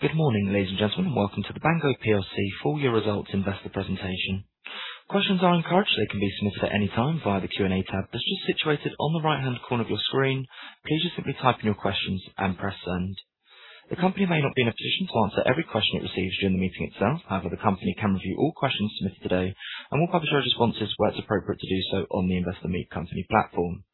Good morning, ladies and gentlemen, and welcome to the Bango plc full-year results investor presentation. Questions are encouraged. They can be submitted at any time via the Q&A tab that's just situated on the right-hand corner of your screen. Please just simply type in your questions and press send. The company may not be in a position to answer every question it receives during the meeting itself. However, the company can review all questions submitted today, and we'll publish our responses where it's appropriate to do so on the Investor Meet Company platform.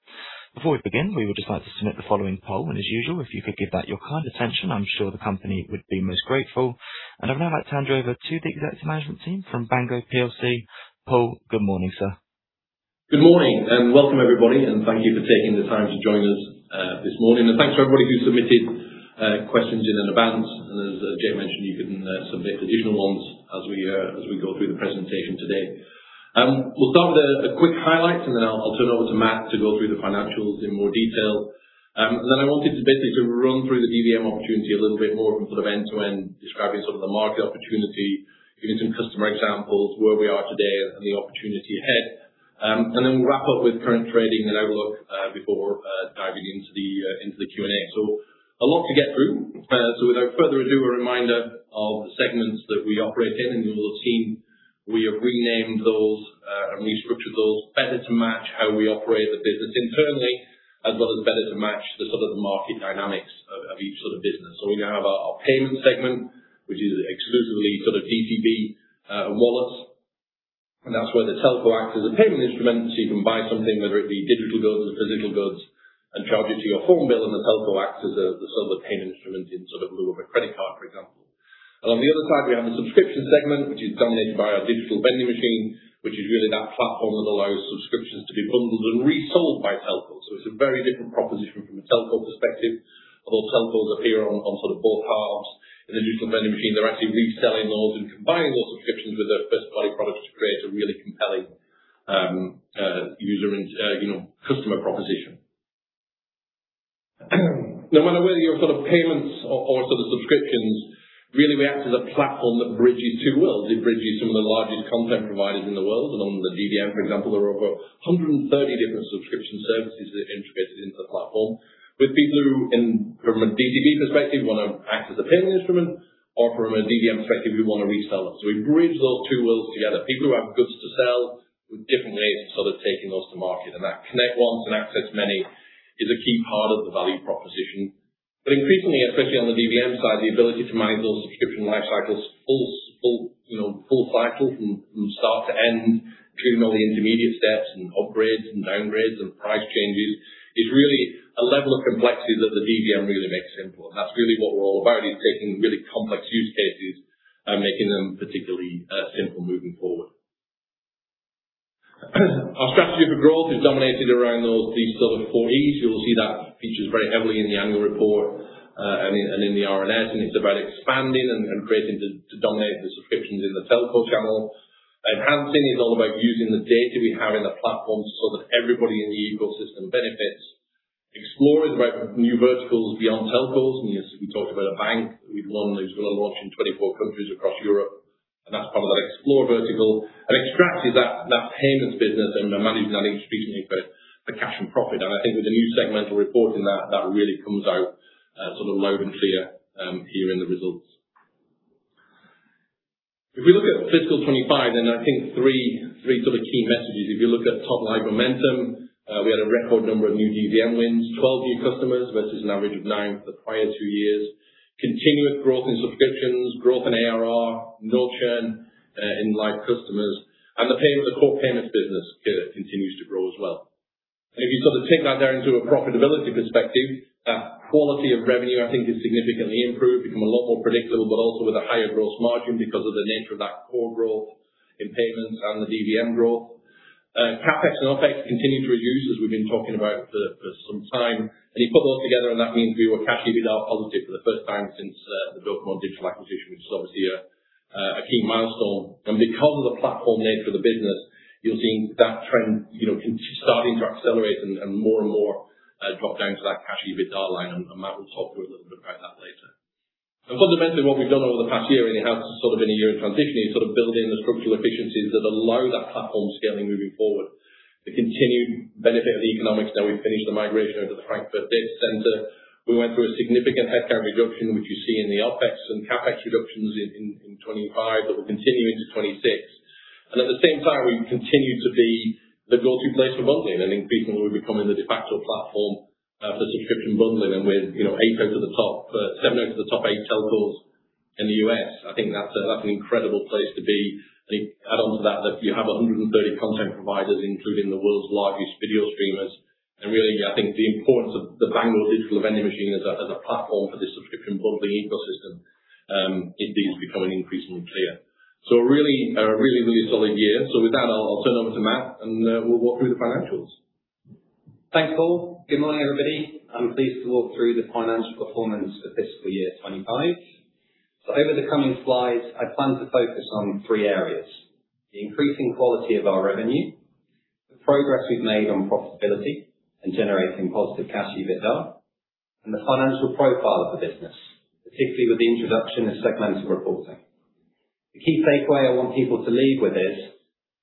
Before we begin, we would like to submit the following poll, and as usual, if you could give that your kind attention, I'm sure the company would be most grateful. I'd now like to hand you over to the executive management team from Bango plc. Paul, good morning, sir. Good morning, and welcome everybody, thank you for taking the time to join us this morning. Thanks to everybody who submitted questions in advance. As Jay mentioned, you can submit additional ones as we go through the presentation today. We'll start with a quick highlight, then I'll turn over to Matt to go through the financials in more detail. Then I wanted basically to run through the DDM opportunity a little bit more from sort of end-to-end describing some of the market opportunity, giving some customer examples, where we are today, and the opportunity ahead. Then we'll wrap up with current trading and outlook before diving into the Q&A. A lot to get through. Without further ado, a reminder of the segments that we operate in, you will have seen, we have renamed those and restructured those better to match how we operate the business internally as well as better to match the market dynamics of each business. We now have our payment segment, which is exclusively DCB and wallets, that's where the telco acts as a payment instrument. You can buy something, whether it be digital goods or physical goods, charge it to your phone bill, the telco acts as a sort of payment instrument in lieu of a credit card, for example. On the other side, we have the subscription segment, which is dominated by our Digital Vending Machine, which is really that platform that allows subscriptions to be bundled and resold by telcos. It's a very different proposition from a telco perspective, although telcos appear on both halves. In the Digital Vending Machine, they're actually reselling those and combining those subscriptions with their first-party products to create a really compelling customer proposition. No matter whether you're payments or subscriptions, really we act as a platform that bridges two worlds. It bridges some of the largest content providers in the world. On the DDM, for example, there are over 130 different subscription services that are integrated into the platform with people who from a DCB perspective, want to act as a payment instrument or from a DDM perspective, who want to resell them. We bridge those two worlds together. People who have goods to sell with different ways to taking those to market. That connect once and access many is a key part of the value proposition. Increasingly, especially on the DVM side, the ability to manage those subscription life cycles full cycle from start to end through all the intermediate steps and upgrades and downgrades and price changes is really a level of complexity that the DVM really makes simple. That's really what we're all about, is taking really complex use cases and making them particularly simple moving forward. Our strategy for growth is dominated around those four E's. You'll see that features very heavily in the annual report, and in the RNS, and it's about expanding and creating to dominate the subscriptions in the telco channel. Enhancing is all about using the data we have in the platform so that everybody in the ecosystem benefits. Explore is about new verticals beyond telcos, and we talked about a bank that we've won, who's going to launch in 24 countries across Europe, and that's part of that Explore vertical. Extract is that payments business and managing that income stream to create the cash and profit. I think with the new segmental reporting that really comes out loud and clear here in the results. If we look at fiscal 2025, then I think three key messages. If you look at top-line momentum, we had a record number of new DVM wins, 12 new customers versus an average of nine for the prior two years. Continuous growth in subscriptions, growth in ARR, no churn in live customers, and the core payments business continues to grow as well. If you take that down into a profitability perspective, that quality of revenue I think has significantly improved, become a lot more predictable, but also with a higher gross margin because of the nature of that core growth in payments and the DVM growth. CapEx and OpEx continue to reduce as we've been talking about for some time. You put those together, and that means we were cash EBITDA positive for the first time since the Billtrust digital acquisition, which is obviously a key milestone. Because of the platform nature of the business, you're seeing that trend starting to accelerate and more and more drop down to that cash EBITDA line, and Matt will talk to you a little bit about that later. Fundamentally, what we've done over the past year, and it has sort of been a year in transition is building the structural efficiencies that allow that platform scaling moving forward. The continued benefit of the economics. Now we've finished the migration over to the Frankfurt data center. We went through a significant headcount reduction, which you see in the OpEx and CapEx reductions in 2025 that will continue into 2026. At the same time, we continue to be the go-to place for bundling. I think people will be becoming the de facto platform for subscription bundling. With seven out of the top eight telcos in the U.S., I think that's an incredible place to be. I think add on to that you have 130 content providers, including the world's largest video streamers. Really, I think the importance of the Bango Digital Vending Machine as a platform for this subscription bundling ecosystem, it is becoming increasingly clear. A really solid year. With that, I'll turn over to Matt, and we'll walk through the financials. Thanks, Paul. Good morning, everybody. I'm pleased to walk through the financial performance for FY 2025. Over the coming slides, I plan to focus on three areas, the increasing quality of our revenue, the progress we've made on profitability and generating positive cash EBITDA, and the financial profile of the business, particularly with the introduction of segmental reporting. The key takeaway I want people to leave with is,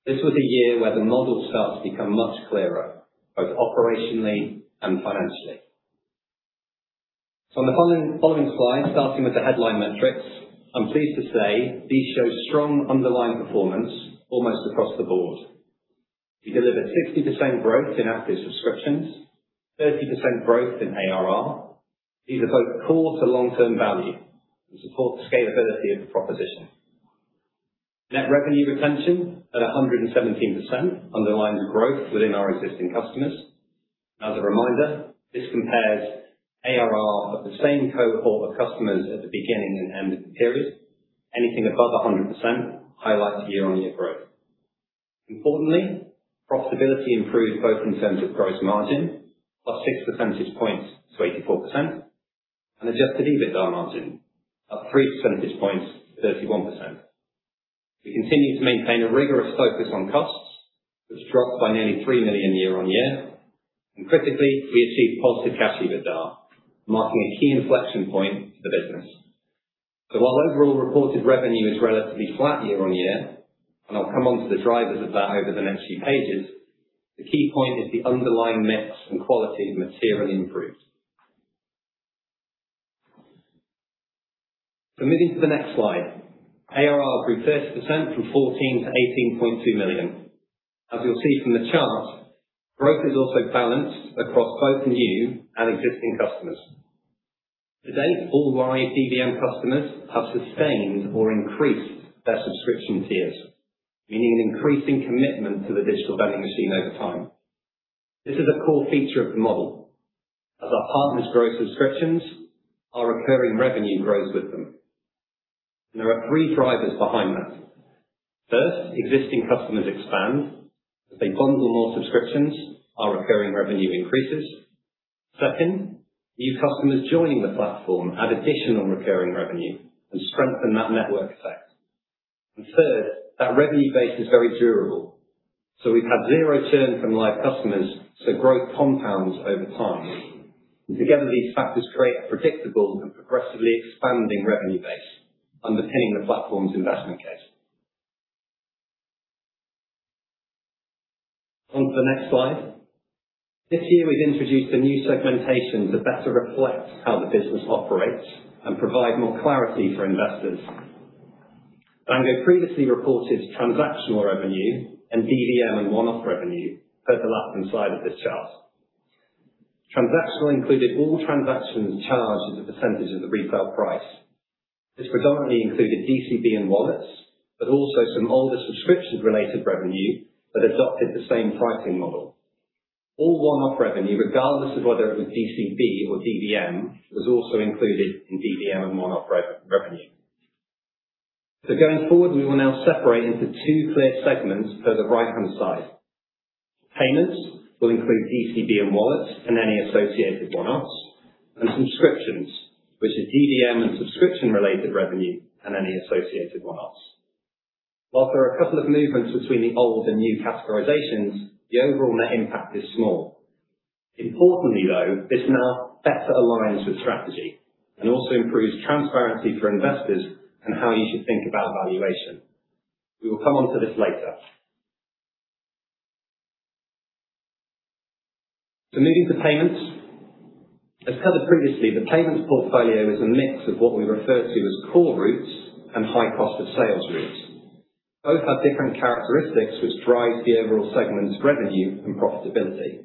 this was a year where the model starts to become much clearer, both operationally and financially. On the following slide, starting with the headline metrics, I'm pleased to say these show strong underlying performance almost across the board. We delivered 60% growth in active subscriptions, 30% growth in ARR. These are both core to long-term value and support the scalability of the proposition. Net Revenue Retention at 117% underlines growth within our existing customers. As a reminder, this compares ARR of the same cohort of customers at the beginning and end of the period. Anything above 100% highlights year-on-year growth. Importantly, profitability improved both in terms of gross margin plus six percentage points to 84%, and adjusted EBITDA margin up three percentage points to 31%. We continue to maintain a rigorous focus on costs, which dropped by nearly 3 million year-on-year, and critically, we achieved positive cash EBITDA, marking a key inflection point for the business. While overall reported revenue is relatively flat year-on-year, and I'll come onto the drivers of that over the next few pages, the key point is the underlying mix and quality materially improved. Moving to the next slide. ARR grew 30% from 14 million to 18.2 million. As you'll see from the chart, growth is also balanced across both new and existing customers. To date, all live DVM customers have sustained or increased their subscription tiers, meaning an increasing commitment to the Digital Vending Machine over time. This is a core feature of the model. As our partners grow subscriptions, our recurring revenue grows with them, and there are three drivers behind that. First, existing customers expand. As they bundle more subscriptions, our recurring revenue increases. Second, new customers joining the platform add additional recurring revenue and strengthen that network effect. Third, that revenue base is very durable. We've had zero churn from live customers, so growth compounds over time. Together these factors create a predictable and progressively expanding revenue base underpinning the platform's investment case. On to the next slide. This year we've introduced a new segmentation to better reflect how the business operates and provide more clarity for investors. Bango previously reported transactional revenue and DVM and one-off revenue, both left-hand side of this chart. Transactional included all transactions charged as a percentage of the retail price. This predominantly included DCB and wallets, but also some older subscriptions-related revenue that adopted the same pricing model. All one-off revenue, regardless of whether it was DCB or DVM, was also included in DVM and one-off revenue. Going forward, we will now separate into two clear segments for the right-hand side. Payments will include DCB and wallets and any associated one-offs, and subscriptions, which are DVM and subscription-related revenue and any associated one-offs. While there are a couple of movements between the old and new categorizations, the overall net impact is small. Importantly, though, this now better aligns with strategy and also improves transparency for investors and how you should think about valuation. We will come onto this later. Moving to payments. As covered previously, the payments portfolio is a mix of what we refer to as core routes and high cost of sales routes. Both have different characteristics which drive the overall segment's revenue and profitability.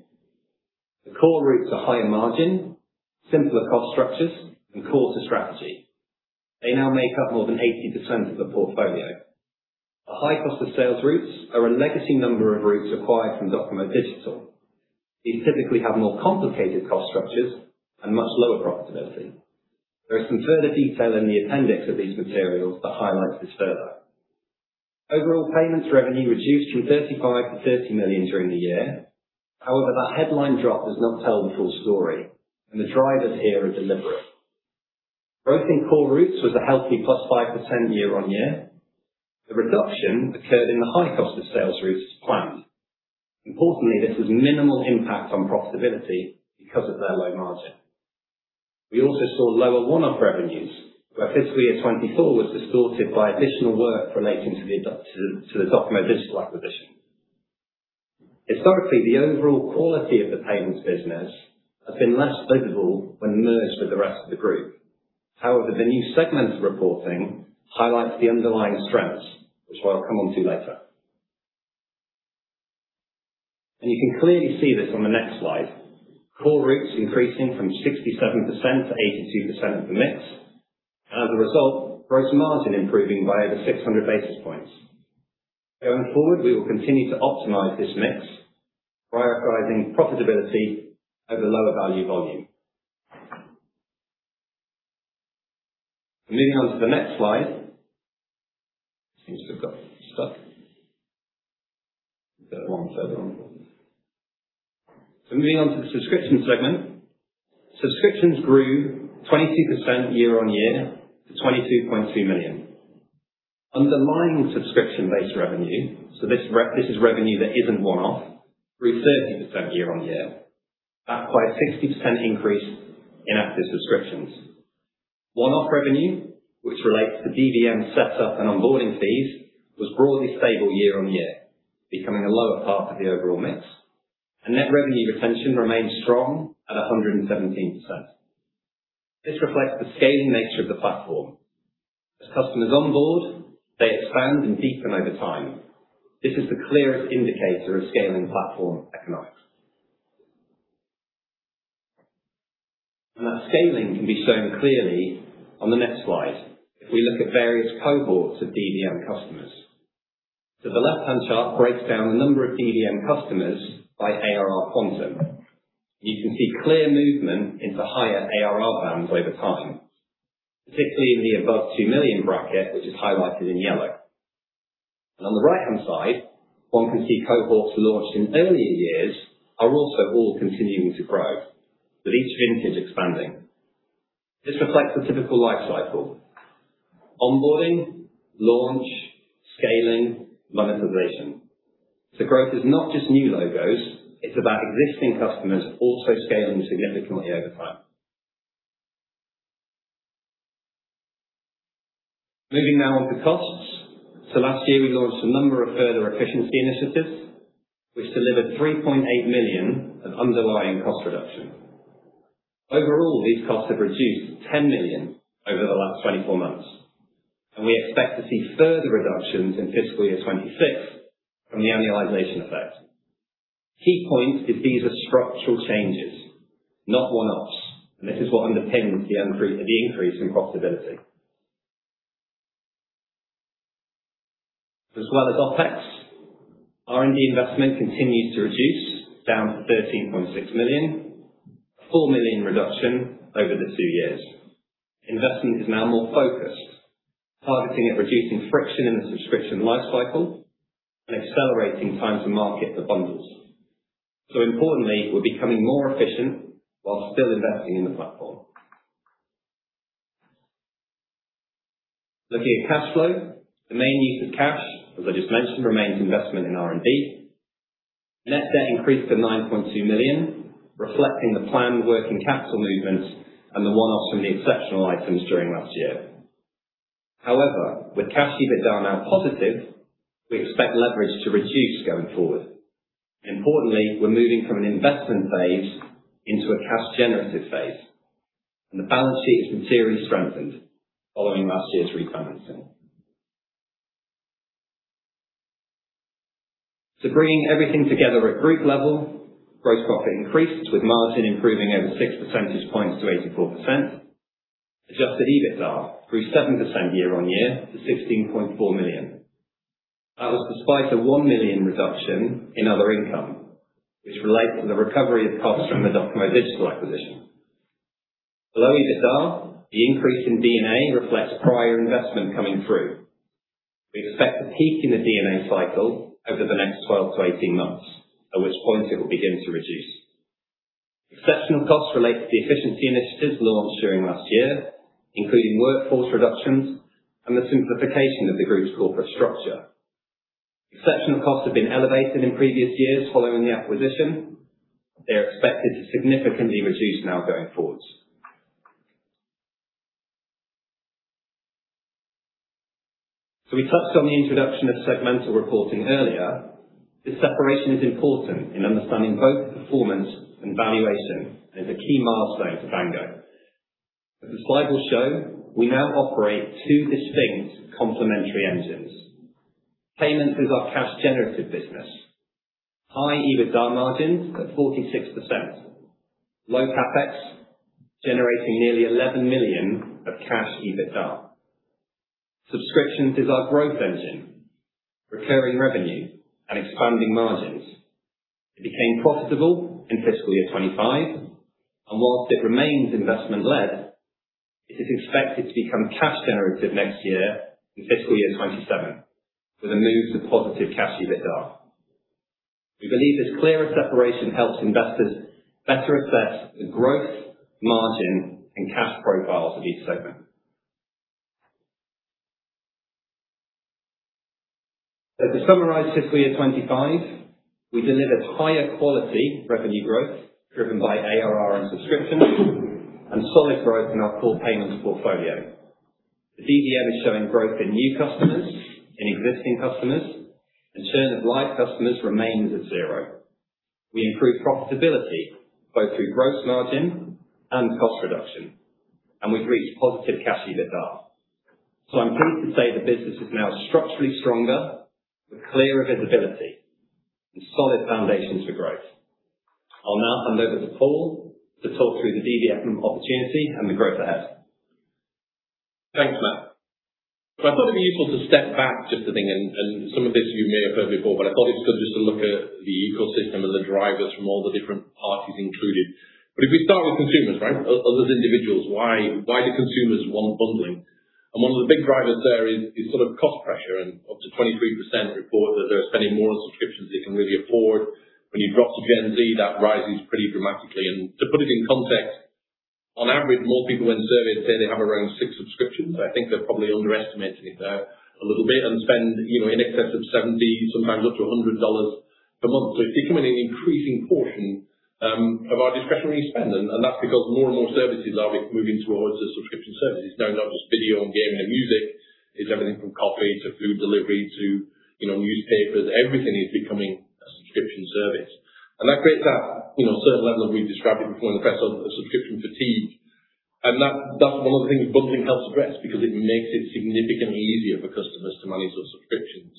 The core routes are higher margin, simpler cost structures, and core to strategy. They now make up more than 80% of the portfolio. The high cost of sales routes are a legacy number of routes acquired from DOCOMO Digital. These typically have more complicated cost structures and much lower profitability. There is some further detail in the appendix of these materials that highlights this further. Overall payments revenue reduced from 35 million to 30 million during the year. However, that headline drop does not tell the full story, and the drivers here are deliberate. Growth in core routes was a healthy +5% year on year. The reduction occurred in the high cost of sales routes as planned. Importantly, this has minimal impact on profitability because of their low margin. We also saw lower one-off revenues, where FY 2024 was distorted by additional work relating to the DOCOMO Digital acquisition. Historically, the overall quality of the payments business has been less visible when merged with the rest of the group. However, the new segment reporting highlights the underlying strengths, which I'll come onto later. You can clearly see this on the next slide. Core routes increasing from 67% to 82% of the mix, and as a result, gross margin improving by over 600 basis points. Going forward, we will continue to optimize this mix by prioritizing profitability over lower value volume. Moving on to the next slide. Seems to have got stuck. Is that one further on? Moving on to the subscription segment. Subscriptions grew 22% year on year to 22.2 million. Underlying subscription-based revenue, so this is revenue that isn't one-off, grew 30% year on year. That's quite a 60% increase in active subscriptions. One-off revenue, which relates to DVM setup and onboarding fees, was broadly stable year-on-year, becoming a lower part of the overall mix. Net Revenue Retention remains strong at 117%. This reflects the scaling nature of the platform. As customers onboard, they expand and deepen over time. This is the clearest indicator of scaling platform economics. That scaling can be shown clearly on the next slide if we look at various cohorts of DVM customers. The left-hand chart breaks down the number of DVM customers by ARR quantum, and you can see clear movement into higher ARR bands over time, particularly in the above 2 million bracket, which is highlighted in yellow. On the right-hand side, one can see cohorts launched in earlier years are also all continuing to grow, with each vintage expanding. This reflects the typical life cycle, onboarding, launch, scaling, monetization. Growth is not just new logos, it's about existing customers also scaling significantly over time. Moving now on to costs. Last year, we launched a number of further efficiency initiatives which delivered 3.8 million of underlying cost reduction. Overall, these costs have reduced 10 million over the last 24 months, and we expect to see further reductions in FY 2026 from the annualization effect. Key point is these are structural changes, not one-offs, and this is what underpins the increase in profitability. As well as OpEx, R&D investment continues to reduce down to 13.6 million, a 4 million reduction over the 2 years. Investment is now more focused, targeting at reducing friction in the subscription life cycle and accelerating time to market for bundles. Importantly, we're becoming more efficient while still investing in the platform. Looking at cash flow, the main use of cash, as I just mentioned, remains investment in R&D. Net debt increased to 9.2 million, reflecting the planned working capital movements and the one-offs from the exceptional items during last year. However, with cash EBITDA now positive, we expect leverage to reduce going forward. Importantly, we're moving from an investment phase into a cash generative phase, and the balance sheet is materially strengthened following last year's refinancing. Bringing everything together at group level, gross profit increased with margin improving over 6 percentage points to 84%. Adjusted EBITDA grew 7% year-on-year to 16.4 million. That was despite a 1 million reduction in other income, which relates to the recovery of costs from the DOCOMO Digital acquisition. Below EBITDA, the increase in D&A reflects prior investment coming through. We expect a peak in the D&A cycle over the next 12-18 months, at which point it will begin to reduce. Exceptional costs relate to the efficiency initiatives launched during last year, including workforce reductions and the simplification of the group's corporate structure. Exceptional costs have been elevated in previous years following the acquisition. They are expected to significantly reduce now going forwards. We touched on the introduction of segmental reporting earlier. This separation is important in understanding both performance and valuation, and is a key milestone for Bango. As the slide will show, we now operate 2 distinct complementary engines. Payments is our cash generative business. High EBITDA margins at 46%, low CapEx, generating nearly 11 million of cash EBITDA. Subscriptions is our growth engine, recurring revenue and expanding margins. It became profitable in FY 2025, and whilst it remains investment-led, it is expected to become cash generative next year in FY 2027 with a move to positive cash EBITDA. We believe this clearer separation helps investors better assess the growth, margin, and cash profiles of each segment. To summarize FY 2025, we delivered higher quality revenue growth driven by ARR and subscription and solid growth in our core payments portfolio. The DVM is showing growth in new customers, in existing customers, and churn of live customers remains at zero. We improved profitability both through gross margin and cost reduction, and we've reached positive cash EBITDA. I'm pleased to say the business is now structurally stronger with clearer visibility and solid foundations for growth. I'll now hand over to Paul to talk through the DVM opportunity and the growth ahead. Thanks, Matt. I thought it'd be useful to step back just a thing, and some of this you may have heard before, but I thought it was good just to look at the ecosystem and the drivers from all the different parties included. If we start with consumers, right, us as individuals, why do consumers want bundling? One of the big drivers there is sort of cost pressure and up to 23% report that they're spending more on subscriptions than they can really afford. When you drop to Gen Z, that rises pretty dramatically, and to put it in context. On average, most people in surveys say they have around six subscriptions. I think they're probably underestimating it there a little bit and spend in excess of 70, sometimes up to GBP 100 a month. It's becoming an increasing portion of our discretionary spend, and that's because more and more services are moving towards a subscription service. It's now not just video and gaming and music. It's everything from coffee to food delivery to newspapers. Everything is becoming a subscription service. That creates that certain level that we've described before, and that's a subscription fatigue. That's one of the things bundling helps address because it makes it significantly easier for customers to manage those subscriptions.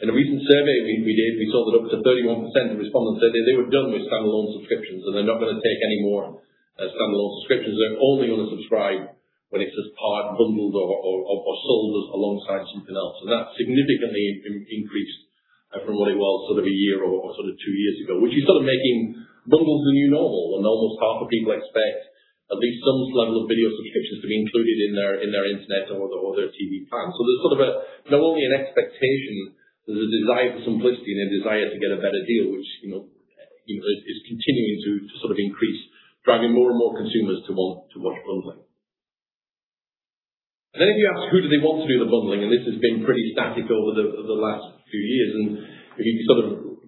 In a recent survey we did, we saw that up to 31% of respondents said that they were done with standalone subscriptions, and they're not going to take any more standalone subscriptions. They're only going to subscribe when it's as part, bundled or sold alongside something else. That significantly increased from what it was sort of a year or sort of two years ago. Which is sort of making bundles the new normal, and almost half of people expect at least some level of video subscriptions to be included in their Internet or their TV plan. There's sort of not only an expectation, there's a desire for simplicity and a desire to get a better deal, which is continuing to sort of increase, driving more and more consumers to want to watch bundling. Then if you ask who do they want to do the bundling, and this has been pretty static over the last few years, and sort of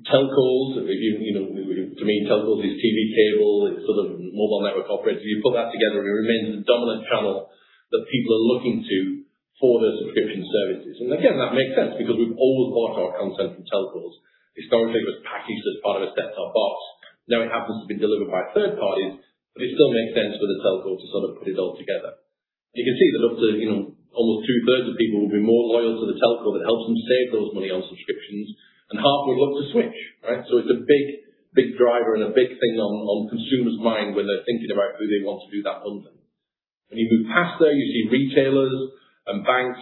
telcos, to me, telcos is TV, cable, sort of mobile network operators. You put that together, and it remains the dominant channel that people are looking to for their subscription services. Again, that makes sense because we've always bought our content from telcos. Historically, it was packaged as part of a set-top box. Now it happens to be delivered by third parties, but it still makes sense for the telco to sort of put it all together. You can see that up to almost two-thirds of people will be more loyal to the telco that helps them save those money on subscriptions, and half would love to switch, right? It's a big, big driver and a big thing on consumers' mind when they're thinking about who they want to do that bundling. When you move past there, you see retailers and banks,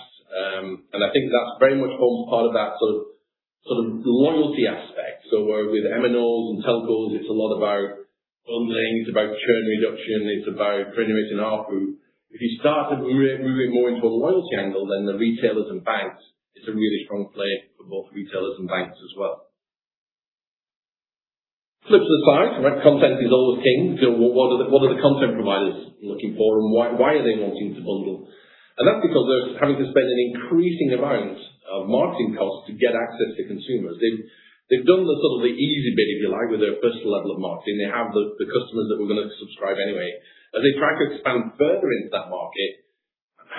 and I think that's very much forms part of that sort of loyalty aspect. Where with MNOs and telcos, it's a lot about bundling, it's about churn reduction, it's about generating ARPU. If you start to move it more into a loyalty angle, then the retailers and banks, it's a really strong play for both retailers and banks as well. Flip to the side, content is always king. What are the content providers looking for, and why are they wanting to bundle? That's because they're having to spend an increasing amount of marketing costs to get access to consumers. They've done the sort of the easy bit, if you like, with their first level of marketing. They have the customers that were going to subscribe anyway. As they try to expand further into that market,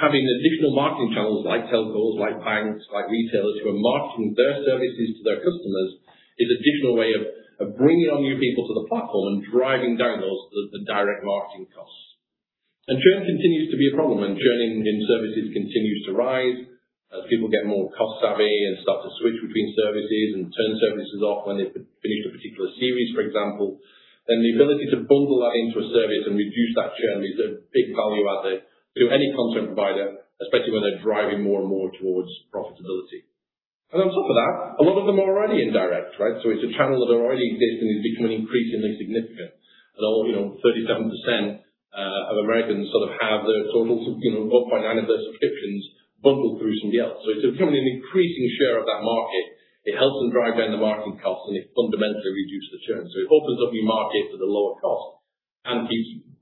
having additional marketing channels like telcos, like banks, like retailers who are marketing their services to their customers is additional way of bringing on new people to the platform and driving down the direct marketing costs. Churn continues to be a problem, and churning in services continues to rise as people get more cost savvy and start to switch between services and turn services off when they've finished a particular series, for example. The ability to bundle that into a service and reduce that churn is a big value add to any content provider, especially when they're driving more and more towards profitability. On top of that, a lot of them are already in direct, right? It's a channel that already exists and is becoming increasingly significant. Although 37% of Americans sort of have their sort of 1.9 of their subscriptions bundled through somebody else. It's becoming an increasing share of that market. It helps them drive down the marketing costs, and it fundamentally reduces the churn. It opens up new markets at a lower cost and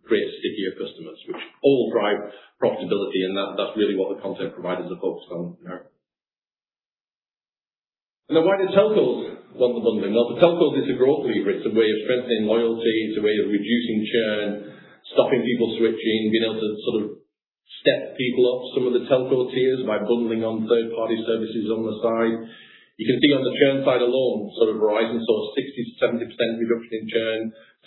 creates stickier customers, which all drive profitability, and that's really what the content providers are focused on there. Then why do telcos want the bundling? Well, for telcos, it's a growth lever. It's a way of strengthening loyalty. It's a way of reducing churn, stopping people switching, being able to sort of step people up some of the telco tiers by bundling on third-party services on the side. You can see on the churn side alone, sort of Verizon saw 60%-70% reduction in churn.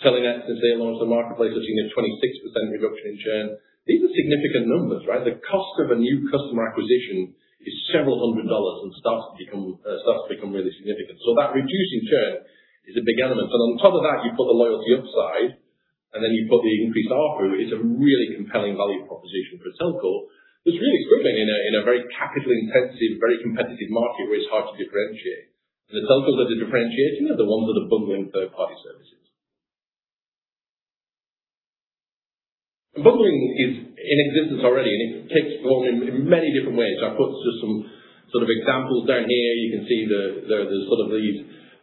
Telenet since they launched the marketplace, looking at 26% reduction in churn. These are significant numbers, right? The cost of a new customer acquisition is several hundred USD and starts to become really significant. That reducing churn is a big element. On top of that, you put the loyalty upside, then you put the increased ARPU, it's a really compelling value proposition for a telco that's really struggling in a very capital intensive, very competitive market where it's hard to differentiate. The telcos that are differentiating are the ones that are bundling third-party services. Bundling is in existence already, and it takes form in many different ways. I've put just some sort of examples down here. You can see there are sort of these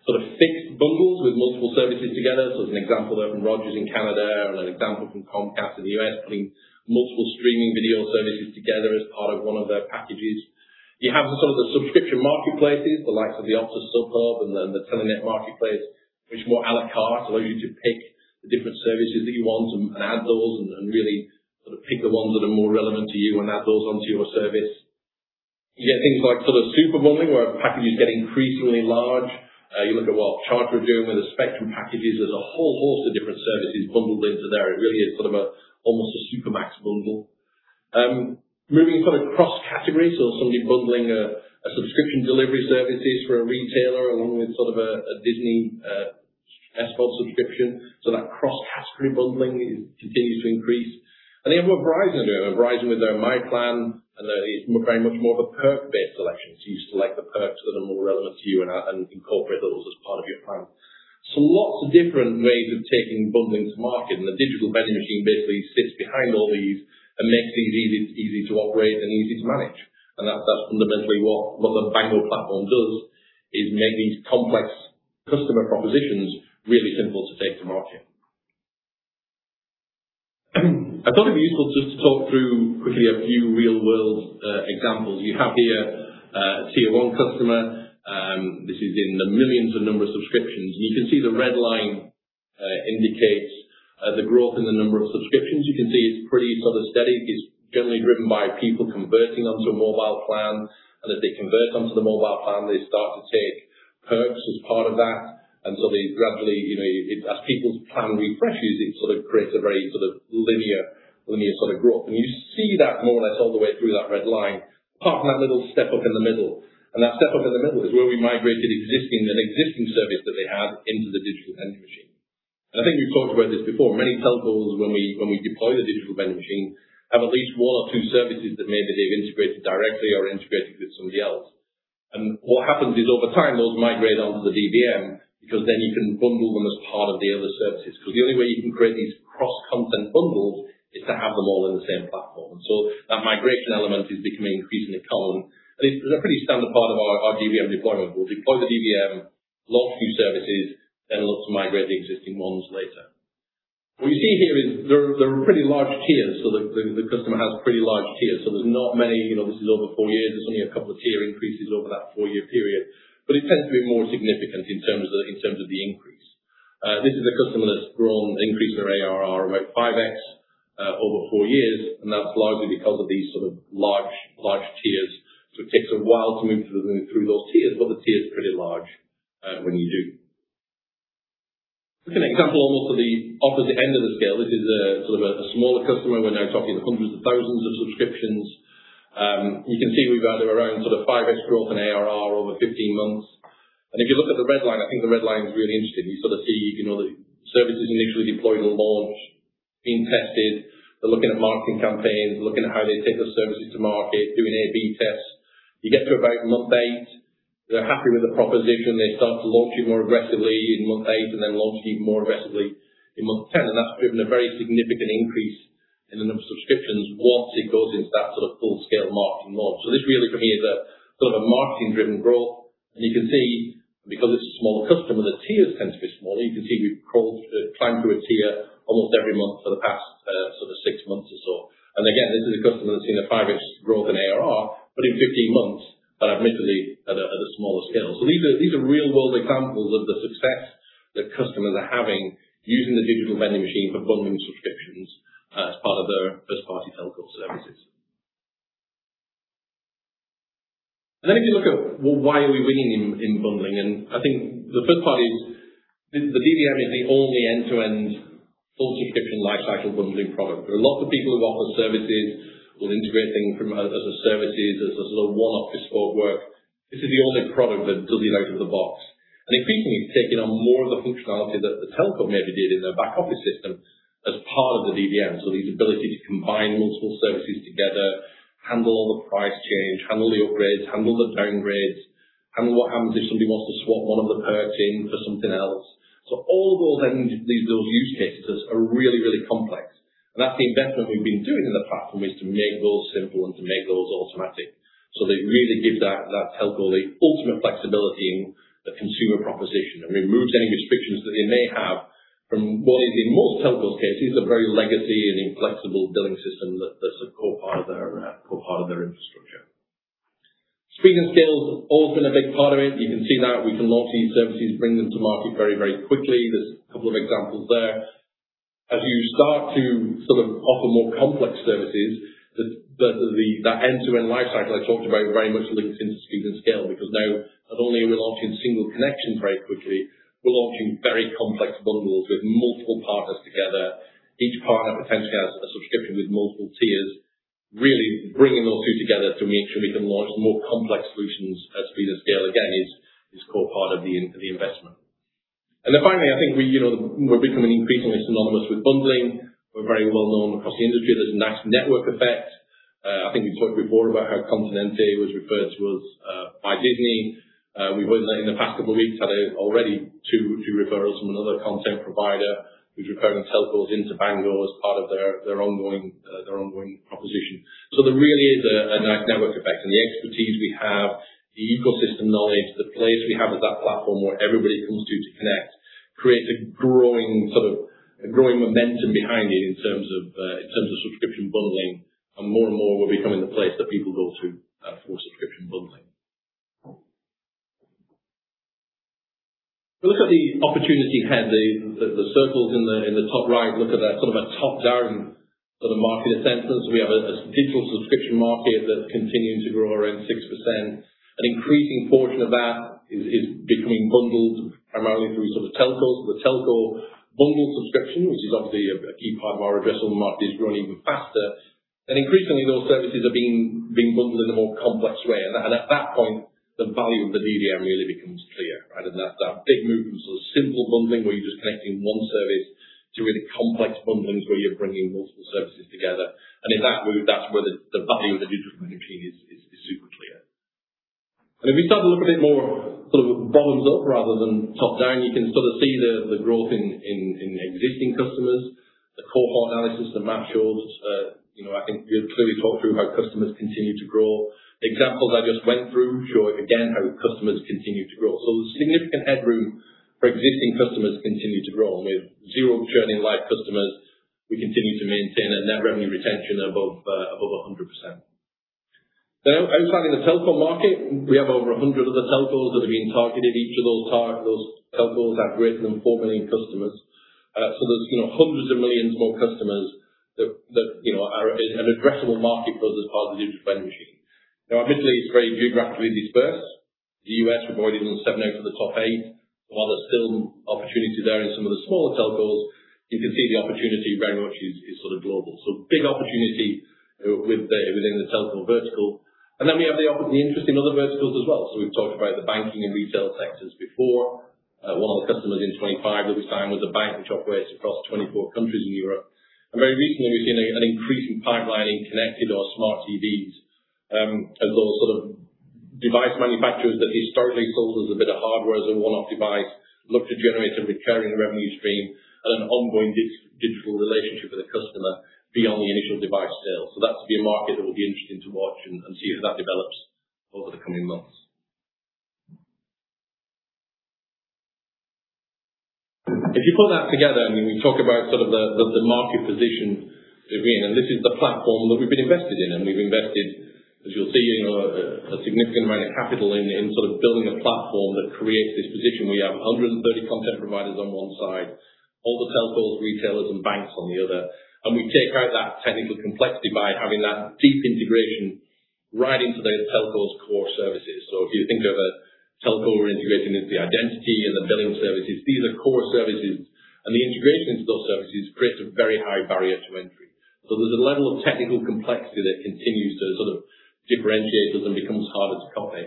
sort of fixed bundles with multiple services together. There's an example there from Rogers in Canada and an example from Comcast in the U.S., putting multiple streaming video services together as part of one of their packages. You have sort of the subscription marketplaces, the likes of the Optus SubHub and the Telenet marketplace, which are more à la carte, allow you to pick the different services that you want and add those and really sort of pick the ones that are more relevant to you and add those onto your service. You get things like sort of super bundling, where packages get increasingly large. You look at what Charter are doing with the Spectrum packages. There's a whole host of different services bundled into there. It really is sort of almost a super max bundle. Moving sort of cross-category, somebody bundling a subscription delivery services for a retailer along with sort of a Disney+ subscription. That cross-category bundling continues to increase. What Verizon are doing. Verizon with their myPlan, and it's very much more of a perk-based selection. You select the perks that are more relevant to you and incorporate those as part of your plan. Lots of different ways of taking bundling to market, the Digital Vending Machine basically sits behind all these and makes things easy to operate and easy to manage. That's fundamentally what the Bango platform does is make these complex Customer propositions, really simple to take to market. I thought it'd be useful just to talk through quickly a few real-world examples. You have here a tier 1 customer. This is in the millions of number of subscriptions. You can see the red line indicates the growth in the number of subscriptions. You can see it's pretty steady. It's generally driven by people converting onto a mobile plan. As they convert onto the mobile plan, they start to take perks as part of that, gradually, as people's plan refreshes, it creates a very linear sort of growth. You see that more or less all the way through that red line, apart from that little step up in the middle. That step up in the middle is where we migrated an existing service that they had into the Digital Vending Machine. I think we've talked about this before. Many telcos, when we deploy the Digital Vending Machine, have at least one or two services that maybe they've integrated directly or integrated with somebody else. What happens is, over time, those migrate onto the DVM, because then you can bundle them as part of the other services. The only way you can create these cross-content bundles is to have them all in the same platform. That migration element is becoming increasingly common, and it's a pretty standard part of our DVM deployment. We'll deploy the DVM, launch new services, then look to migrate the existing ones later. What you see here is there are pretty large tiers. The customer has pretty large tiers, so there's not many. This is over 4 years. There's only a couple of tier increases over that 4-year period, but it tends to be more significant in terms of the increase. This is a customer that's increased their ARR about 5X over 4 years, and that's largely because of these large tiers. It takes a while to move through those tiers, but the tier is pretty large, when you do. Looking at an example almost at the opposite end of the scale, this is a smaller customer. We're now talking hundreds of thousands of subscriptions. You can see we've had around 5X growth in ARR over 15 months. If you look at the red line, I think the red line is really interesting. You sort of see the services initially deployed on launch, being tested. They're looking at marketing campaigns, looking at how they take those services to market, doing A/B tests. You get to about month 8, they're happy with the proposition. They start to launch it more aggressively in month 8, then launch it more aggressively in month 10. That's driven a very significant increase in the number of subscriptions once it goes into that full-scale marketing mode. This really, for me, is a marketing-driven growth. You can see, because it's a smaller customer, the tiers tend to be smaller. You can see we've climbed through a tier almost every month for the past 6 months or so. Again, this is a customer that's seen a 5X growth in ARR, but in 15 months, admittedly at a smaller scale. These are real-world examples of the success that customers are having using the Digital Vending Machine for bundling subscriptions as part of their first-party telco services. If you look at why are we winning in bundling, I think the first part is the DVM is the only end-to-end full subscription lifecycle bundling product. There are lots of people who offer services or integrate things as a service, as a sort of one-off bespoke work. This is the only product that does it out of the box. Increasingly, it's taking on more of the functionality that the telco maybe did in their back office system as part of the DVM. These ability to combine multiple services together, handle all the price change, handle the upgrades, handle the downgrades, handle what happens if somebody wants to swap one of the perks in for something else. All those edge use cases are really complex. That's the investment we've been doing in the platform, is to make those simple and to make those automatic. They really give that telco the ultimate flexibility in the consumer proposition, and removes any restrictions that they may have from what is, in most telcos cases, a very legacy and inflexible billing system that's a core part of their infrastructure. Speed and scale has also been a big part of it. You can see that we can launch new services, bring them to market very quickly. There's a couple of examples there. As you start to offer more complex services, that end-to-end lifecycle I talked about very much links into speed and scale, because now, not only are we launching single connections very quickly, we're launching very complex bundles with multiple partners together. Each partner potentially has a subscription with multiple tiers. Really bringing those two together to make sure we can launch more complex solutions at speed and scale, again, is core part of the investment. Finally, I think we're becoming increasingly synonymous with bundling. We're very well known across the industry. There's a nice network effect. I think we've talked before about how Continente was referred to us by Disney. We, in the past couple of weeks, had already two referrals from another content provider who's referring telcos into Bango as part of their ongoing proposition. There really is a nice network effect. The expertise we have, the ecosystem knowledge, the place we have as that platform where everybody comes to connect, creates a growing momentum behind you in terms of subscription bundling. More and more, we're becoming the place that people go to for subscription bundling. If we look at the opportunity ahead, the circles in the top right look at a top-down market assessment. We have a digital subscription market that's continuing to grow around 6%. An increasing portion of that is becoming bundled primarily through telcos. The telco bundled subscription, which is obviously a key part of our addressable market, is growing even faster. Increasingly, those services are being bundled in a more complex way. At that point, the value of the DVM really becomes clear, right? That's that big move from simple bundling, where you're just connecting one service, to really complex bundling, where you're bringing multiple services together. In that move, that's where the value of the Digital Vending Machine is super clear. If we start to look a bit more bottoms up rather than top down, you can sort of see the growth in existing customers. The cohort analysis, the math shows, I think we clearly talked through how customers continue to grow. The examples I just went through show, again, how customers continue to grow. There's significant headroom for existing customers to continue to grow, and we have zero churning live customers. We continue to maintain a Net Revenue Retention above 100%. Now, outside of the telco market, we have over 100 other telcos that are being targeted. Each of those telcos have greater than 4 million customers. There's hundreds of millions more customers that are an addressable market for us as part of the Digital Vending Machine. Now, obviously, it's very geographically dispersed. The U.S., we've already done 7 out of the top 8. While there's still opportunity there in some of the smaller telcos, you can see the opportunity very much is global. Big opportunity within the telco vertical, and then we have the interest in other verticals as well. We've talked about the banking and retail sectors before. One of the customers in 2025 that we signed was a bank which operates across 24 countries in Europe. Very recently, we've seen an increase in pipelining connected or smart TVs as those device manufacturers that historically sold us a bit of hardware as a one-off device look to generate a recurring revenue stream and an ongoing digital relationship with the customer beyond the initial device sale. That's to be a market that will be interesting to watch and see how that develops over the coming months. We talk about the market position we're in, this is the platform that we've been invested in, we've invested, as you'll see, a significant amount of capital in building a platform that creates this position. We have 130 content providers on one side, all the telcos, retailers, and banks on the other. We take out that technical complexity by having that deep integration right into those telcos' core services. If you think of a telco, we're integrating into the identity and the billing services. These are core services, the integration into those services creates a very high barrier to entry. There's a level of technical complexity that continues to differentiate us and becomes harder to copy.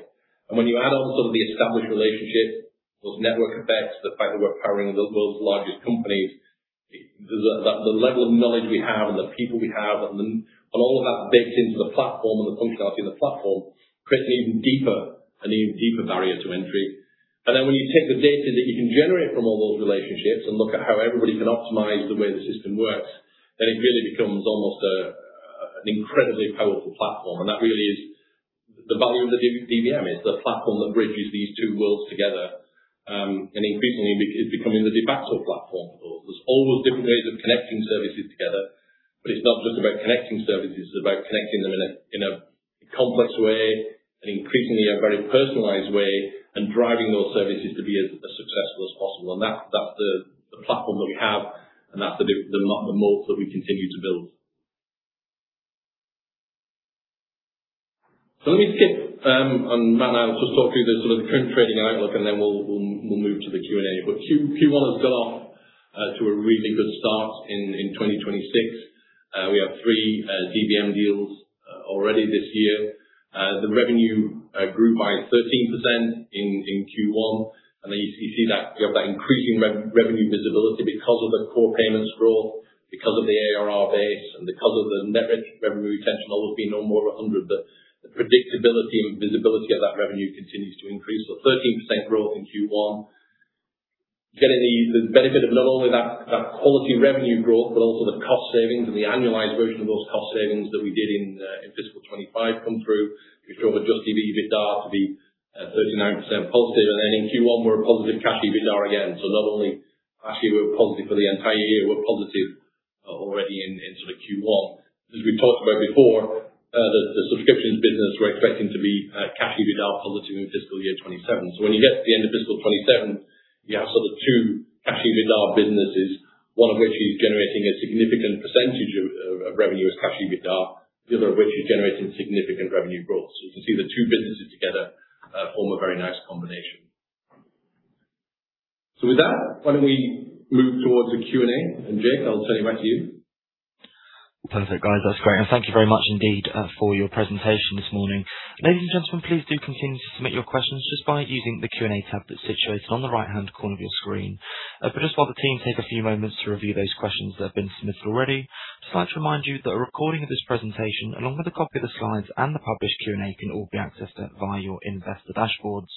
When you add on some of the established relationships, those network effects, the fact that we're powering the world's largest companies, the level of knowledge we have and the people we have and all of that baked into the platform and the functionality of the platform creates an even deeper barrier to entry. When you take the data that you can generate from all those relationships and look at how everybody can optimize the way the system works, it really becomes almost an incredibly powerful platform. That really is the value of the DVM, it's the platform that bridges these two worlds together, increasingly, it's becoming the de facto platform for those. There's all those different ways of connecting services together, it's not just about connecting services, it's about connecting them in a complex way, an increasingly, a very personalized way, driving those services to be as successful as possible. That's the platform that we have, that's the moat that we continue to build. Let me skip, Matt now will just talk through the current trading outlook, we'll move to the Q&A. Q1 has got off to a really good start in 2026. We have 3 DVM deals already this year. The revenue grew by 13% in Q1, you see that we have that increasing revenue visibility because of the core payments growth, because of the ARR base, and because of the Net Revenue Retention level being now more than 100, the predictability and visibility of that revenue continues to increase. 13% growth in Q1, getting the benefit of not only that quality revenue growth, but also the cost savings and the annualized version of those cost savings that we did in fiscal 2025 come through, which drove adjusted EBITDAR to be 39% positive. In Q1, we're a positive cash EBITDAR again. Not only actually we were positive for the entire year, we're positive already in Q1. As we talked about before, the subscriptions business, we're expecting to be cash EBITDAR positive in fiscal year 2027. When you get to the end of FY 2027, you have two cash EBITDAR businesses, one of which is generating a significant percentage of revenue as cash EBITDAR, the other of which is generating significant revenue growth. You can see the two businesses together form a very nice combination. With that, why don't we move towards the Q&A, and Jake, I'll turn you back to you. Perfect, guys. That's great. Thank you very much indeed for your presentation this morning. Ladies and gentlemen, please do continue to submit your questions just by using the Q&A tab that's situated on the right-hand corner of your screen. Just while the team take a few moments to review those questions that have been submitted already, I'd just like to remind you that a recording of this presentation, along with a copy of the slides and the published Q&A, can all be accessed via your investor dashboards.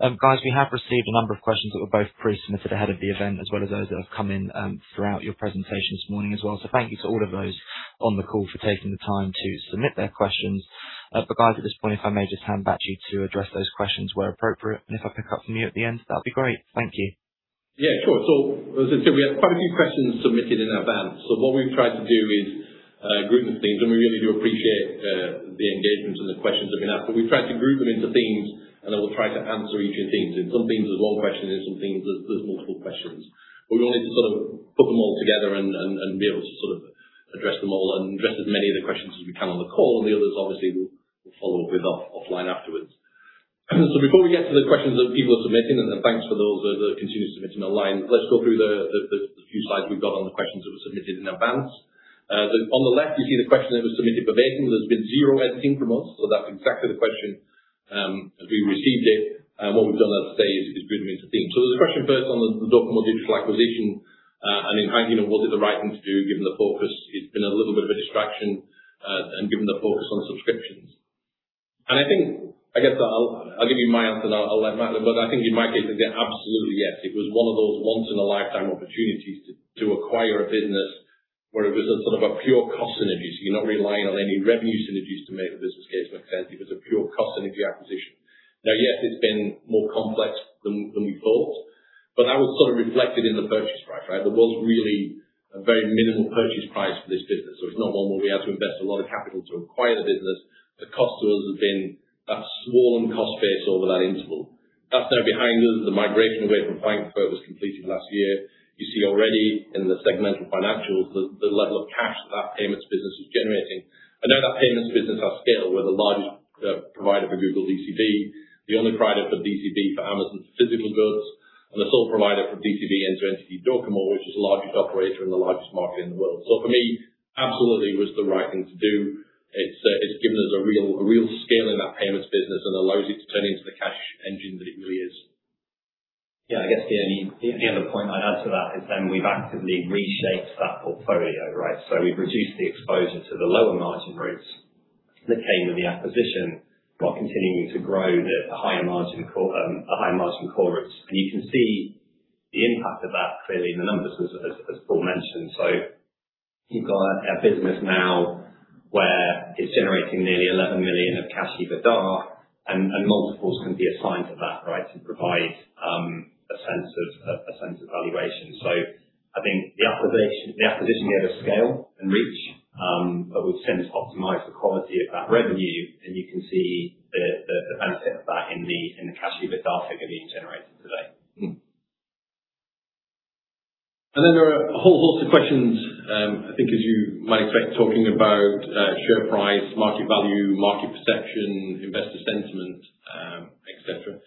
Guys, we have received a number of questions that were both pre-submitted ahead of the event, as well as those that have come in throughout your presentation this morning as well. Thank you to all of those on the call for taking the time to submit their questions. Guys, at this point, if I may just hand back to you to address those questions where appropriate, and if I pick up from you at the end, that'd be great. Thank you. Yeah, sure. As I said, we had quite a few questions submitted in advance. What we've tried to do is group them into themes, and we really do appreciate the engagement and the questions that have been asked. We've tried to group them into themes, and then we'll try to answer each of the themes. In some themes, there's one question, in some themes there's multiple questions. We wanted to put them all together and be able to address them all and address as many of the questions as we can on the call, and the others, obviously, we'll follow up with offline afterwards. Before we get to the questions that people are submitting, and thanks for those that are continuing to submit them online, let's go through the few slides we've got on the questions that were submitted in advance. On the left, you see the question that was submitted verbatim. There's been zero editing from us, so that's exactly the question as we received it. What we've done, as I say, is group them into themes. There's a question first on the DOCOMO Digital acquisition, and in fact, was it the right thing to do given the focus, it's been a little bit of a distraction, and given the focus on subscriptions. I think, I guess I'll give you my answer and I'll let Matt, but I think in my case it's absolutely yes. It was one of those once in a lifetime opportunities to acquire a business where it was a pure cost synergies. You're not relying on any revenue synergies to make the business case make sense. It was a pure cost synergy acquisition. Yes, it's been more complex than we thought, but that was sort of reflected in the purchase price, right? There was really a very minimal purchase price for this business, so it's not one where we had to invest a lot of capital to acquire the business. The cost to us has been that swollen cost base over that interval. That's now behind us. The migration away from Finq was completed last year. You see already in the segmental financials the level of cash that that payments business is generating. That payments business has scale. We're the largest provider for Google DCB, the only provider for DCB for Amazon's physical goods, and the sole provider for DCB inter-entity Docomo, which is the largest operator in the largest market in the world. For me, absolutely it was the right thing to do. It's given us a real scale in that payments business and allows it to turn into the cash engine that it really is. I guess the only other point I'd add to that is then we've actively reshaped that portfolio, right? We've reduced the exposure to the lower margin rates that came with the acquisition while continuing to grow the higher margin core rates. You can see the impact of that clearly in the numbers as Paul mentioned. You've got a business now where it's generating nearly 11 million of cash EBITDA and multiples can be assigned to that, right, to provide a sense of valuation. I think the acquisition gave us scale and reach, but we've since optimized the quality of that revenue, and you can see the benefit of that in the cash EBITDA figure being generated today. There are a whole host of questions, I think as you might expect, talking about share price, market value, market perception, investor sentiment, et cetera.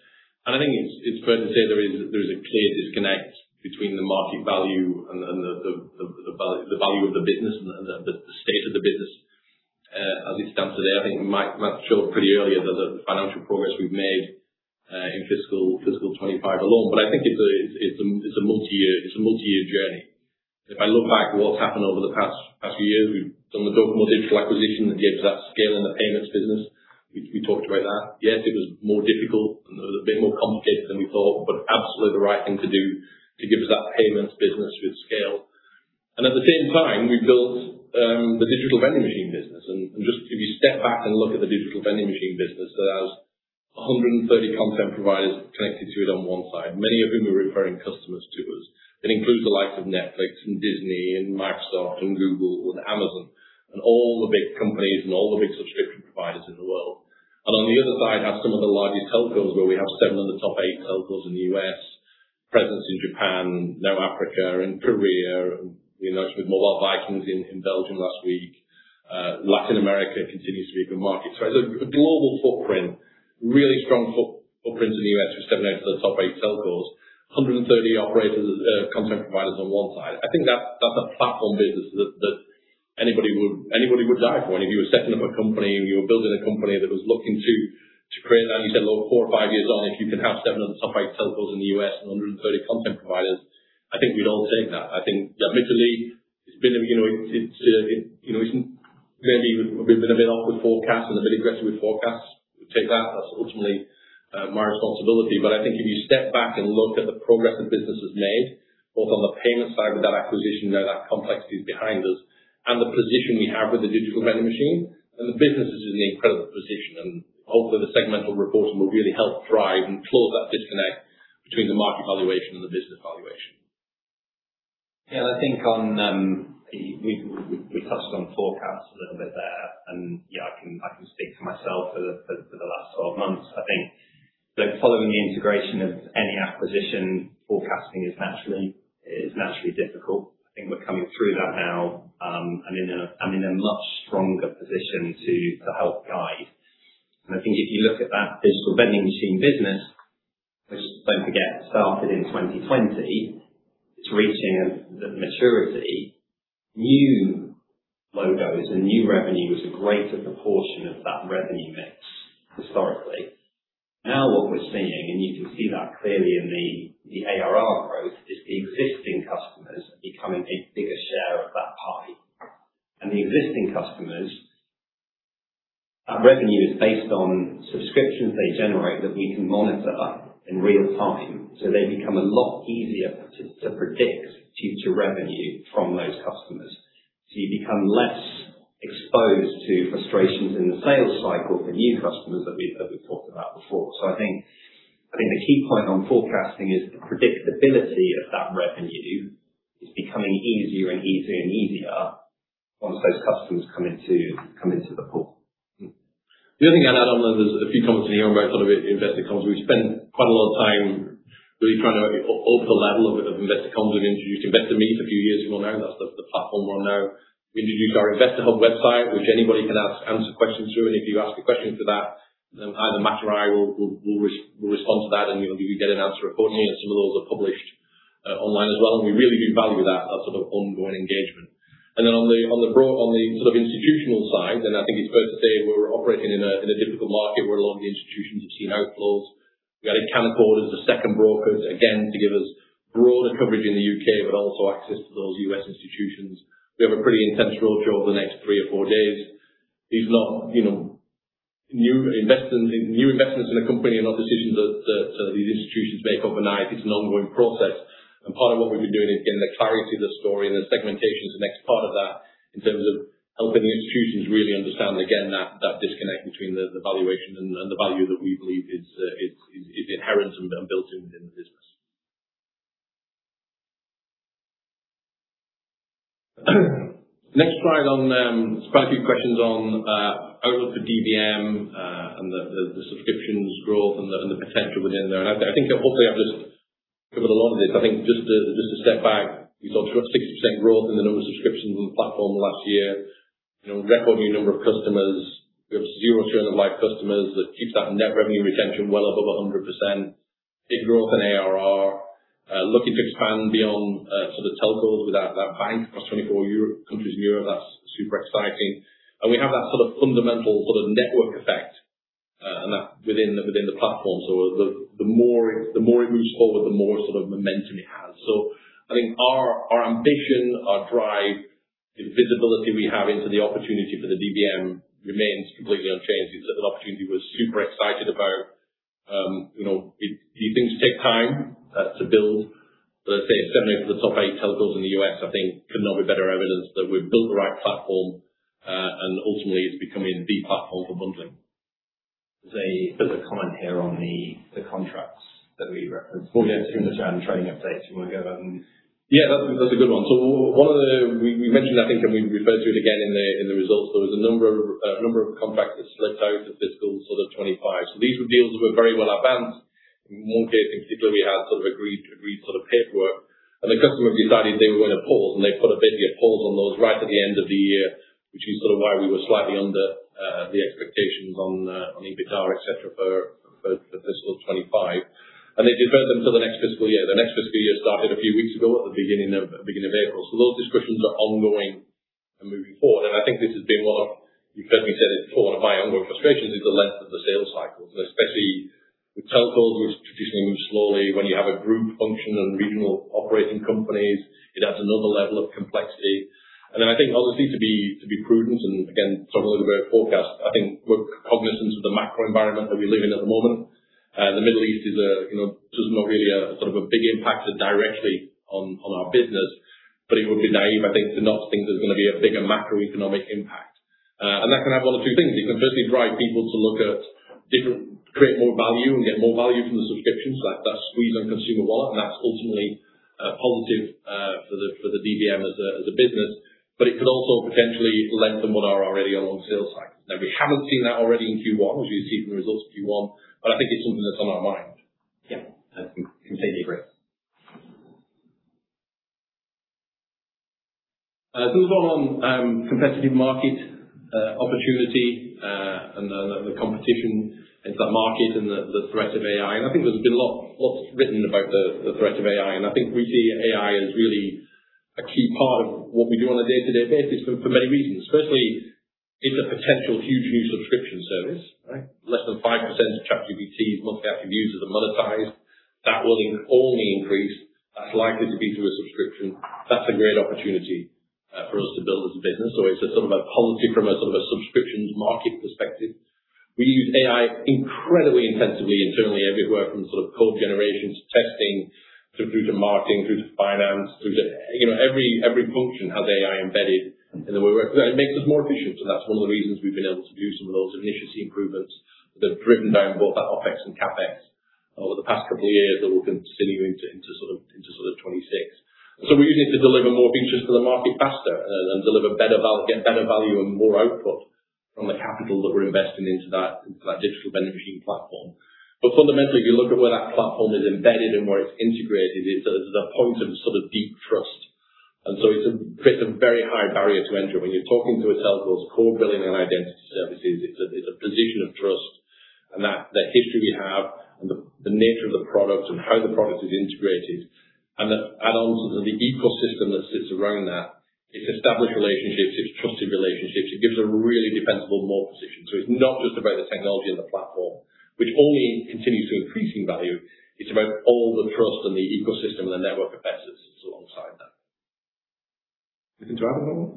I think it's fair to say there is a clear disconnect between the market value and the value of the business and the state of the business as it stands today. I think Matt showed pretty earlier the financial progress we've made in fiscal 2025 alone. I think it's a multi-year journey. If I look back at what's happened over the past few years, we've done the DOCOMO Digital acquisition that gave us that scale in the payments business. We talked about that. Yes, it was more difficult and it was a bit more complicated than we thought, but absolutely the right thing to do to give us that payments business with scale. At the same time, we built the Digital Vending Machine business. Just if you step back and look at the Digital Vending Machine business that has 130 content providers connected to it on one side, many of whom are referring customers to us. It includes the likes of Netflix and Disney and Microsoft and Google and Amazon and all the big companies and all the big subscription providers in the world. On the other side has some of the largest telcos where we have seven of the top eight telcos in the U.S., presence in Japan, now Africa and Korea. We announced with Mobile Vikings in Belgium last week. Latin America continues to be a good market. It's a global footprint, really strong footprints in the U.S. with seven out of the top eight telcos, 130 operators, content providers on one side. I think that's a platform business that anybody would die for. If you were setting up a company or you were building a company that was looking to create that, and you said, look, four or five years on, if you can have seven of the top eight telcos in the U.S. and 130 content providers, I think we'd all take that. I think admittedly, maybe we've been a bit off with forecasts and a bit aggressive with forecasts. We take that. That's ultimately my responsibility. I think if you step back and look at the progress the business has made, both on the payment side with that acquisition, now that complexity is behind us, and the position we have with the Digital Vending Machine, then the business is in an incredible position, and hopefully the segmental reporting will really help drive and close that disconnect between the market valuation and the business valuation. I think we touched on forecasts a little bit there. I can speak for myself for the last 12 months. I think that following the integration of any acquisition, forecasting is naturally difficult. I think we're coming through that now in a much stronger position to help guide. I think if you look at that Digital Vending Machine business, which don't forget, started in 2020, it's reaching the maturity. New logos and new revenue is a greater proportion of that revenue mix historically. Now what we're seeing, and you can see that clearly in the ARR growth, is the existing customers becoming a bigger share of that pie. The existing customers, that revenue is based on subscriptions they generate that we can monitor in real time, so they become a lot easier to predict future revenue from those customers. You become less exposed to frustrations in the sales cycle for new customers that we've talked about before. I think the key point on forecasting is the predictability of that revenue is becoming easier and easier and easier once those customers come into the pool. The other thing I'll add on, there's a few comments in here about investor comms. We spent quite a lot of time really trying to up the level a bit of investor comms. We introduced Investor Meet a few years ago now. That's the platform we're on now. We introduced our Investor Hub website, which anybody can ask and answer questions through. If you ask a question to that, then either Matt or I will respond to that and you'll get an answer accordingly. Some of those are published online as well, and we really do value that sort of ongoing engagement. Then on the sort of institutional side, I think it's fair to say we're operating in a difficult market where a lot. We've seen outflows. We added Cavendish as a second broker, again, to give us broader coverage in the U.K., but also access to those U.S. institutions. We have a pretty intense roadshow over the next three or four days. These are not new investments in a company and not decisions that these institutions make overnight. It's an ongoing process. Part of what we've been doing is getting the clarity of the story, and the segmentation is the next part of that in terms of helping the institutions really understand, again, that disconnect between the valuation and the value that we believe is inherent and built into the business. Next slide, there's quite a few questions on outlook for DVM, and the subscriptions growth and the potential within there. I think hopefully I've just covered a lot of this. I think just to step back, we talked about 60% growth in the number of subscriptions on the platform in the last year. Record new number of customers. We have zero churn of live customers, that keeps that Net Revenue Retention well above 100%. Big growth in ARR. Looking to expand beyond telcos with that Bango across 24 countries in Europe. That's super exciting. We have that fundamental network effect, and within the platform. The more it moves forward, the more momentum it has. I think our ambition, our drive, the visibility we have into the opportunity for the DVM remains completely unchanged. It's an opportunity we're super excited about. These things take time to build, I'd say certainly for the top eight telcos in the U.S., I think could not be better evidence that we've built the right platform, and ultimately it's becoming the platform for bundling. There's a comment here on the contracts that we referenced. Oh, yeah. In the trading update. Do you want to go over them? Yeah, that's a good one. We mentioned, I think, and we referred to it again in the results. There was a number of contracts that slipped out of FY 2025. These were deals that were very well advanced. In one case in particular, we had agreed paperwork, and the customer decided they were going to pause, and they put a pause on those right at the end of the year, which is why we were slightly under the expectations on EBITDA, et cetera, for FY 2025. They deferred them until the next fiscal year. The next fiscal year started a few weeks ago at the beginning of April. Those discussions are ongoing and moving forward. I think this has been one of, you've heard me say this before, one of my ongoing frustrations is the length of the sales cycle. Especially with telcos, which traditionally move slowly. When you have a group function and regional operating companies, it adds another level of complexity. Then I think obviously to be prudent and again, talk a little bit about forecast, I think we're cognizant of the macro environment that we live in at the moment. The Middle East is not really a big impact directly on our business, but it would be naive, I think, to not think there's going to be a bigger macroeconomic impact. That can have one of two things. It can firstly drive people to look at different, create more value and get more value from the subscription. That squeeze on consumer wallet and that's ultimately positive for the DVM as a business. It could also potentially lengthen what are already a long sales cycle. Now we haven't seen that already in Q1, as you can see from the results of Q1, I think it's something that's on our mind. Yeah. I completely agree. There's one on competitive market opportunity, and the competition into that market and the threat of AI. I think there's been lots written about the threat of AI, and I think we see AI as really a key part of what we do on a day-to-day basis for many reasons. Firstly, it's a potential huge new subscription service, right? Less than 5% of ChatGPT's monthly active users are monetized. That will only increase. That's likely to be through a subscription. That's a great opportunity for us to build as a business. It's a positive from a subscriptions market perspective. We use AI incredibly intensively internally everywhere from code generation to testing, through to marketing, through to finance. Every function has AI embedded in the way we work. It makes us more efficient, and that's one of the reasons we've been able to do some of those efficiency improvements that have driven down both our OpEx and CapEx over the past couple of years that will continue into sort of 2026. We're using it to deliver more features to the market faster and get better value and more output from the capital that we're investing into that Digital Vending Machine platform. Fundamentally, if you look at where that platform is embedded and where it's integrated, it's at a point of deep trust. It creates a very high barrier to entry. When you're talking to a telco's core billing and identity services, it's a position of trust. The history we have and the nature of the product and how the product is integrated and the add-ons and the ecosystem that sits around that, it's established relationships, it's trusted relationships. It gives a really defensible moat position. It's not just about the technology and the platform, which only continues to increase in value. It's about all the trust and the ecosystem and the network effects that sits alongside that. Anything to add on that one?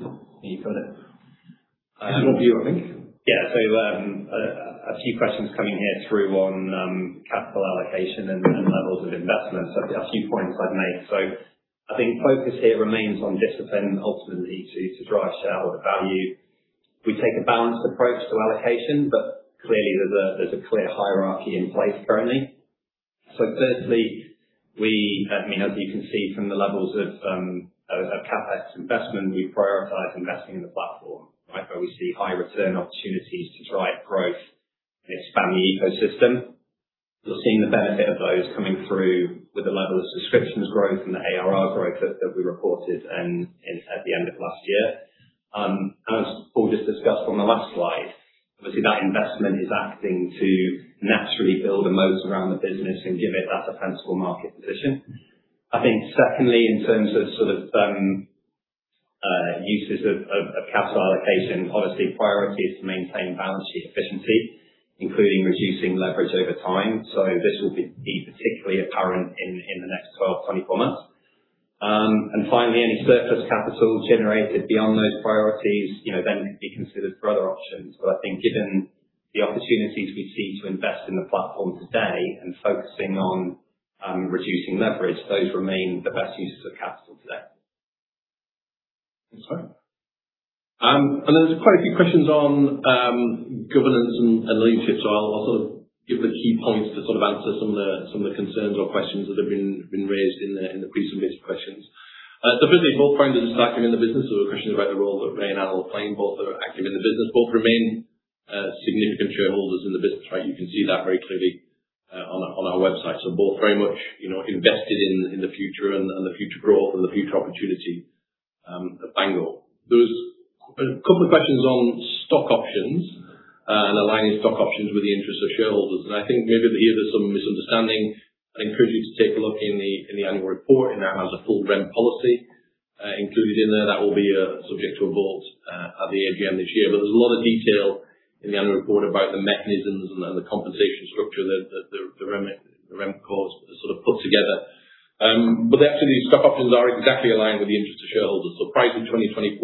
No, you got it. Just all you, I think. A few questions coming here through on capital allocation and levels of investment. A few points I'd make. I think focus here remains on disciplined ultimately to drive shareholder value. We take a balanced approach to allocation, but clearly there's a clear hierarchy in place currently. Firstly, as you can see from the levels of CapEx investment, we prioritize investing in the platform, right? Where we see high return opportunities to drive growth and expand the ecosystem. You're seeing the benefit of those coming through with the level of subscriptions growth and the ARR growth that we reported at the end of last year. As Paul just discussed on the last slide, obviously that investment is acting to naturally build a moat around the business and give it that defensible market position. I think secondly, in terms of uses of capital allocation policy priorities to maintain balance sheet efficiency, including reducing leverage over time. This will be particularly apparent in the next 12, 24 months. Finally, any surplus capital generated beyond those priorities then will be considered for other options. I think given the opportunities we see to invest in the platform today and focusing on reducing leverage, those remain the best uses of capital today. Thanks, Simon. There's quite a few questions on governance and leadership. I'll sort of give the key points to sort of answer some of the concerns or questions that have been raised in the pre-submitted questions. Firstly, both founders are active in the business. There was a question about the role that Ray and Alan will play, and both are active in the business. Both remain significant shareholders in the business, right? You can see that very clearly on our website. Both very much invested in the future and the future growth and the future opportunity of Bango. There's a couple of questions on stock options and aligning stock options with the interests of shareholders, and I think maybe here there's some misunderstanding. I'd encourage you to take a look in the annual report, and that has a full RemCo policy included in there that will be subject to a vote at the AGM this year. But there's a lot of detail in the annual report about the mechanisms and the compensation structure that the RemCo has sort of put together. But actually, these stock options are exactly aligned with the interest of shareholders. Prior to 2024,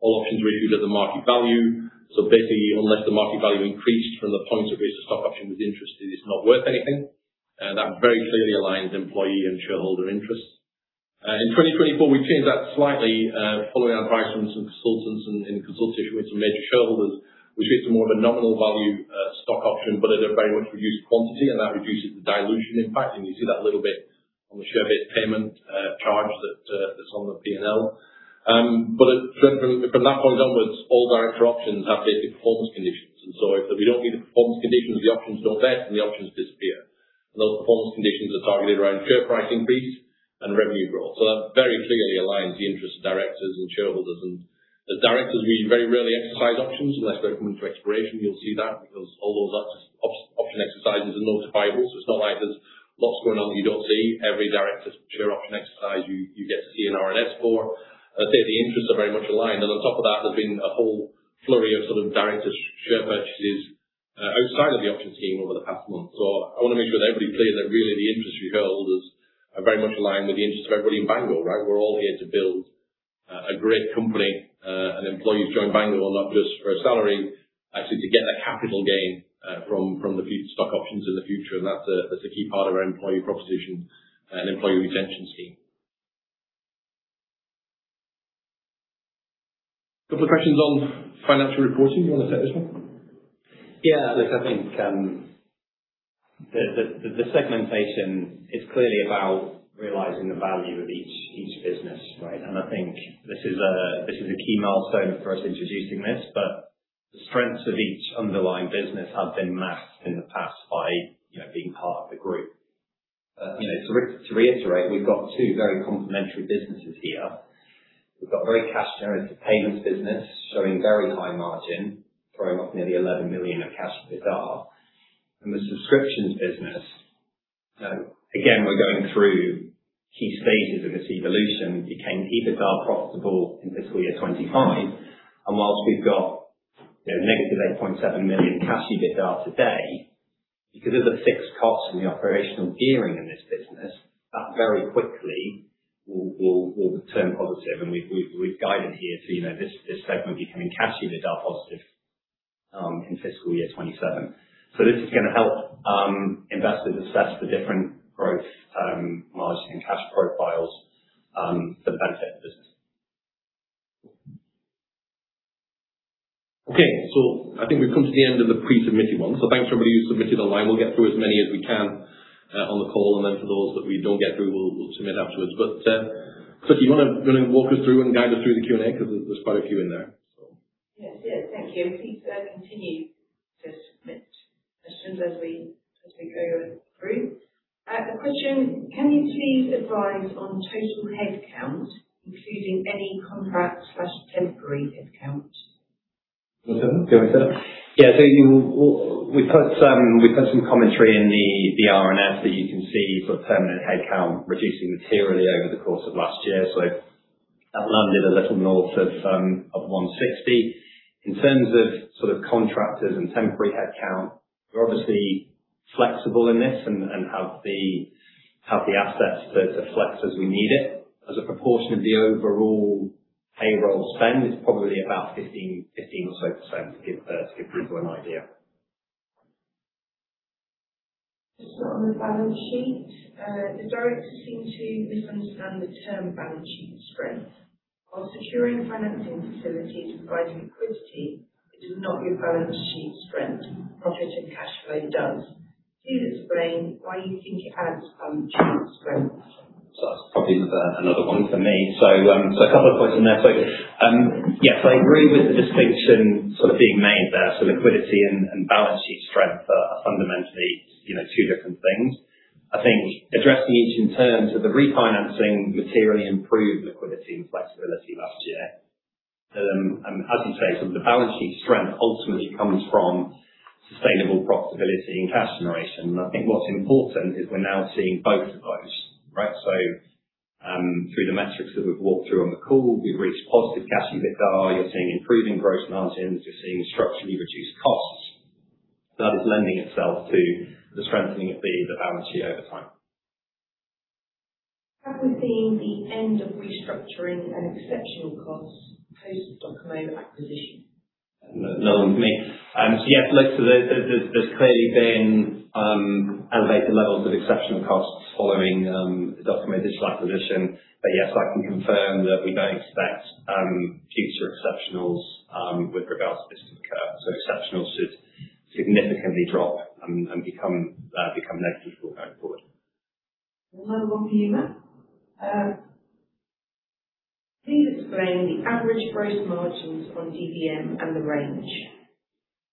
all options were issued at the market value. Basically, unless the market value increased from the point at which the stock option was issued, it's not worth anything. That very clearly aligns employee and shareholder interests. In 2024, we've changed that slightly following advice from some consultants and in consultation with some major shareholders. We've switched to more of a nominal value stock option, but at a very much reduced quantity, and that reduces the dilution impact. You see that a little bit on the share-based payment charge that's on the P&L. From that point onwards, all director options have basic performance conditions. If we don't meet the performance conditions, the options don't vest, and the options disappear. Those performance conditions are targeted around share price increase and revenue growth. That very clearly aligns the interests of directors and shareholders. As directors, we very rarely exercise options unless they're coming to expiration. You'll see that because all those option exercises are notifiable. It's not like there's lots going on that you don't see. Every director share option exercise you get to see an RNS for. I'd say the interests are very much aligned. On top of that, there's been a whole flurry of sort of director share purchases outside of the option scheme over the past month. I want to make sure that everybody is clear that really the interests of shareholders are very much aligned with the interests of everybody in Bango, right? We're all here to build a great company, and employees join Bango not just for a salary, actually to get a capital gain from the stock options in the future. That's a key part of our employee proposition and employee retention scheme. Couple of questions on financial reporting. Do you want to take this one? Look, I think the segmentation is clearly about realizing the value of each business, right? I think this is a key milestone for us introducing this, but the strengths of each underlying business have been masked in the past by being part of the group. To reiterate, we've got two very complementary businesses here. We've got a very cash generative payments business showing very high margin, throwing off nearly 11 million of cash EBITDA. The subscriptions business, again, we're going through key stages in its evolution. We became EBITDA profitable in fiscal year 2025, and whilst we've got negative 8.7 million cash EBITDA today, because of the fixed cost and the operational gearing in this business, that very quickly will turn positive. We've guided here to this segment becoming cash EBITDA positive in fiscal year 2027. This is going to help investors assess the different growth margin and cash profiles for the benefit of business. I think we've come to the end of the pre-submitted ones. Thanks for everybody who submitted online. We'll get through as many as we can on the call, and then for those that we don't get through, we'll submit afterwards. Sophie, do you want to walk us through and guide us through the Q&A because there's quite a few in there. Thank you. Please continue to submit questions as we go through. A question. Can you please advise on total headcount, including any contract/temporary headcount? You want to take that? We put some commentary in the RNS that you can see sort of permanent headcount reducing materially over the course of last year. That landed a little north of 160. In terms of sort of contractors and temporary headcount, we're obviously flexible in this and have the assets to flex as we need it. As a proportion of the overall payroll spend, it's probably about 15% or so to give people an idea. Just on the balance sheet. The directors seem to misunderstand the term balance sheet strength. While securing financing facilities and providing liquidity, it is not your balance sheet strength. Profit and cash flow does. Please explain why you think it adds balance sheet strength. That's probably another one for me. A couple of points in there. Yes, I agree with the distinction sort of being made there. Liquidity and balance sheet strength are fundamentally two different things. I think addressing each in turn, so the refinancing materially improved liquidity and flexibility last year. As you say, the balance sheet strength ultimately comes from sustainable profitability and cash generation. I think what's important is we're now seeing both of those, right? Through the metrics that we've walked through on the call, we've reached positive cash EBITDA. You're seeing improving gross margins, you're seeing structurally reduced costs. That is lending itself to the strengthening of the balance sheet over time. Have we seen the end of restructuring and exceptional costs post-DOCOMO Digital acquisition? Another one for me. Yes, look, there's clearly been elevated levels of exceptional costs following the DOCOMO Digital acquisition. Yes, I can confirm that we don't expect future exceptionals with regards to this to occur. Exceptional should significantly drop and become negligible going forward. Another one for you, Matt. Please explain the average gross margins on DVM and the range.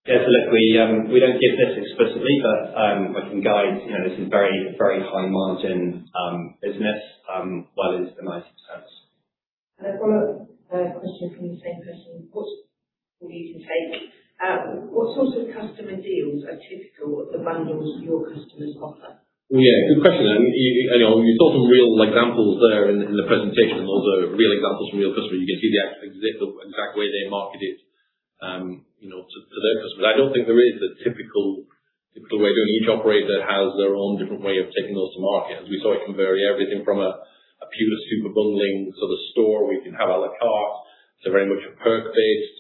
Yeah. Look, we don't give this explicitly, I can guide, this is very high margin business, well into the 90s. A follow-up question from the same person, for you to take. What sort of customer deals are typical of the bundles your customers offer? Yeah, good question. You saw some real examples there in the presentation. Those are real examples from real customers. You can see the actual, exact way they market it to their customers. I don't think there is a typical way of doing it. Each operator has their own different way of taking those to market. As we saw, it can vary everything from a pure super bundling sort of store where you can have à la carte, so very much a product-based,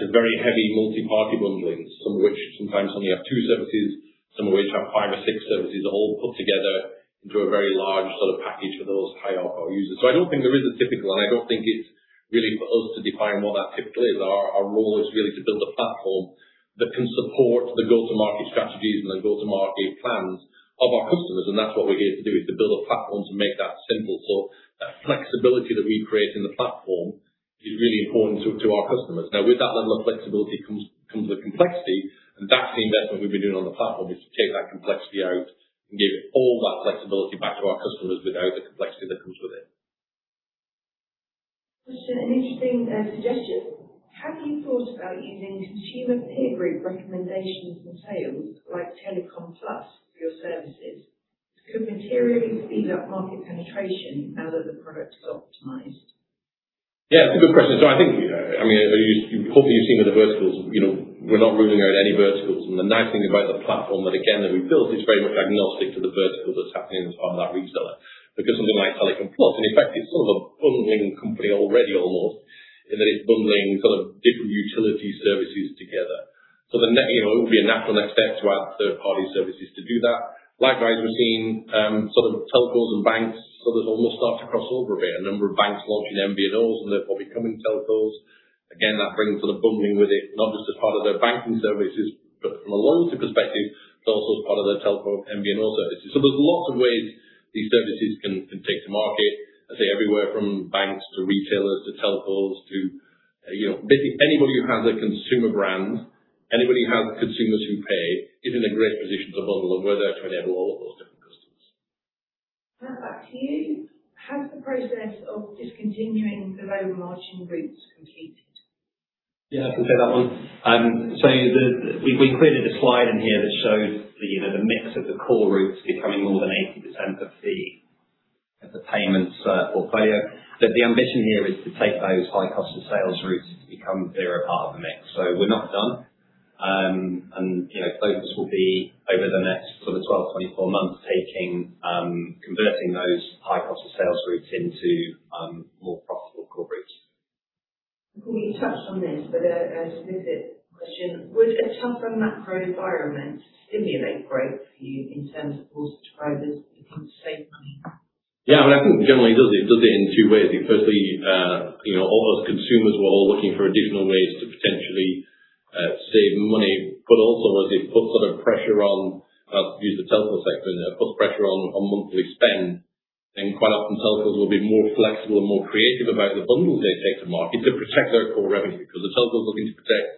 to very heavy multi-party bundling, some of which sometimes only have two services, some of which have five or six services all put together into a very large package for those high ARPU users. I don't think there is a typical, and I don't think it's really for us to define what that typical is. Our role is really to build a platform that can support the go-to-market strategies and the go-to-market plans of our customers. That's what we're here to do, is to build a platform to make that simple. That flexibility that we create in the platform is really important to our customers. Now, with that level of flexibility comes with complexity, and that's the investment we've been doing on the platform is to take that complexity out and give all that flexibility back to our customers without the complexity that comes with it. Question. An interesting suggestion. Have you thought about using consumer peer group recommendations for sales like Telecom Plus for your services? Could materially speed up market penetration now that the product is optimized. Yeah, it's a good question. I think, hopefully you've seen with the verticals, we're not ruling out any verticals. The nice thing about the platform that again, that we built is very much agnostic to the vertical that's happening on that reseller because something like Telecom Plus, in effect it's sort of a bundling company already almost, in that it's bundling different utility services together. It would be a natural next step to add third-party services to do that. Likewise, we're seeing telcos and banks, sort of almost start to cross over a bit. A number of banks launching MVNOs and they're probably becoming telcos. Again, that brings bundling with it, not just as part of their banking services, but from a loans perspective, but also as part of their telco MVNO services. There's lots of ways these services can take to market, as say everywhere from banks to retailers to telcos to basically anybody who has a consumer brand, anybody who has consumers who pay is in a great position to bundle, and we're there trying to add all of those different customers. Matt, back to you. Has the process of discontinuing the low margin routes completed? Yeah, I can take that one. We included a slide in here that shows the mix of the core routes becoming more than 80% of the payments portfolio. Look, the ambition here is to take those high cost of sales routes to become zero part of the mix. We're not done. Focus will be over the next sort of 12, 24 months taking, converting those high cost of sales routes into more profitable core routes. I think you touched on this, but a specific question. Would a tougher macro environment stimulate growth for you in terms of more subscribers looking to save money? Yeah, I think generally it does it in two ways. Firstly, all those consumers who are all looking for additional ways to potentially save money, but also as it puts sort of pressure on, to use the telco sector as an example, puts pressure on monthly spend, then quite often telcos will be more flexible and more creative about the bundles they take to market to protect their core revenue. Because the telco's looking to protect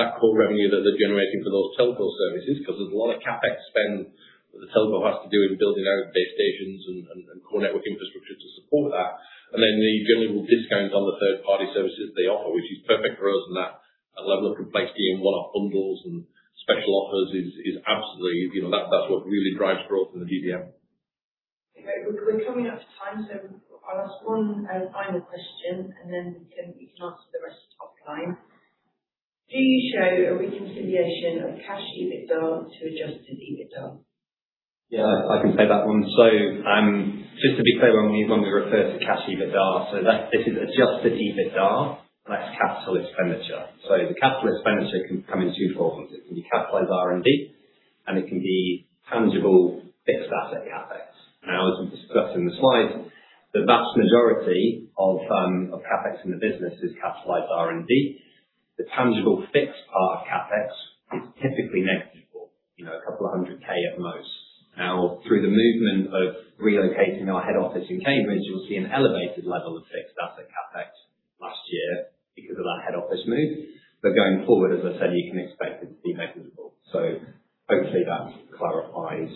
that core revenue that they're generating for those telco services, because there's a lot of CapEx spend that the telco has to do in building out base stations and core network infrastructure to support that. Then they generally will discount on the third-party services they offer, which is perfect for us. That level of complexity in one-off bundles and special offers is absolutely. That's what really drives growth in the DVM. Okay, we're coming up to time, I'll ask one final question and then you can answer the rest offline. Do you show a reconciliation of cash EBITDA to adjusted EBITDA? Yeah, I can take that one. Just to be clear on when we refer to cash EBITDA, this is adjusted EBITDA, less capital expenditure. The capital expenditure can come in two forms. It can be capitalized R&D, and it can be tangible fixed asset CapEx. Now, as we discussed in the slides, the vast majority of CapEx in the business is capitalized R&D. The tangible fixed part of CapEx is typically negative, 200K at most. Now through the movement of relocating our head office in Cambridge, you'll see an elevated level of fixed asset CapEx last year because of that head office move. Going forward, as I said, you can expect it to be negligible. Hopefully that clarifies.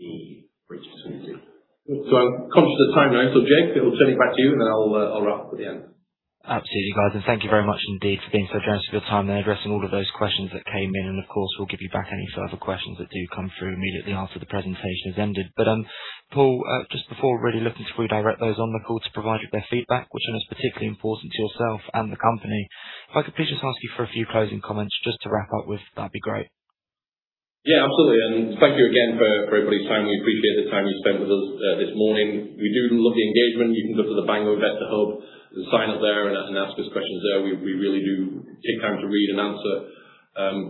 The reach of 3G. I'm conscious of time now. Jake, I will turn it back to you, and then I'll wrap up at the end. Absolutely, guys. Thank you very much indeed for being so generous with your time there, addressing all of those questions that came in. Of course, we'll give you back any further questions that do come through immediately after the presentation has ended. Paul, just before really looking to redirect those on the call to provide their feedback, which I know is particularly important to yourself and the company, if I could please just ask you for a few closing comments just to wrap up with, that'd be great. Yeah, absolutely. Thank you again for everybody's time. We appreciate the time you spent with us this morning. We do love the engagement. You can go to the Bango Investor Hub and sign up there and ask us questions there. We really do take time to read and answer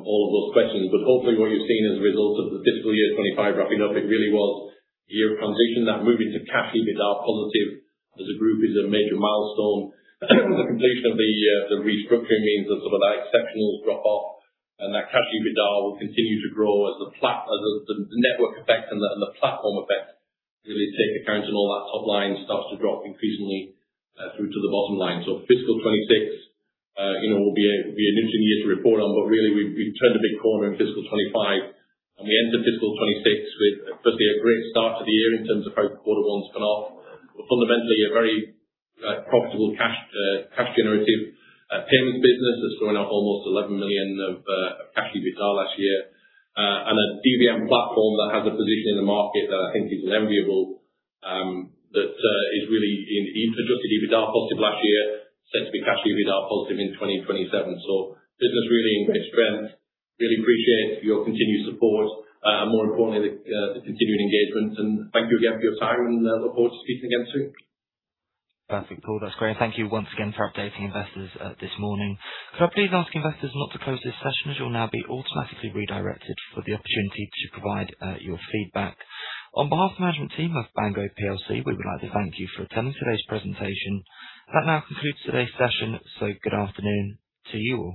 all of those questions. Hopefully, what you're seeing as a result of the fiscal year 2025 wrapping up, it really was a year of transition. That move into cash EBITDA positive as a group is a major milestone. The completion of the restructuring means that sort of that exceptional drop-off and that cash EBITDA will continue to grow as the network effect and the platform effect really take account and all that top line starts to drop increasingly through to the bottom line. FY 2026 will be an interesting year to report on. Really, we've turned a big corner in FY 2025. We enter FY 2026 with firstly a great start to the year in terms of how Q1's gone off. Fundamentally, a very profitable cash generative payments business that's thrown off almost 11 million of cash EBITDA last year. A DVM platform that has a position in the market that I think is enviable, that is really introduced to EBITDA positive last year, set to be cash EBITDA positive in 2027. Business really in great strength. Really appreciate your continued support. More importantly, the continued engagement. Thank you again for your time. Look forward to speaking again soon. Fantastic, Paul. That's great. Thank you once again for updating investors this morning. Could I please ask investors not to close this session, as you'll now be automatically redirected for the opportunity to provide your feedback. On behalf of the management team of Bango PLC, we would like to thank you for attending today's presentation. That now concludes today's session. Good afternoon to you all.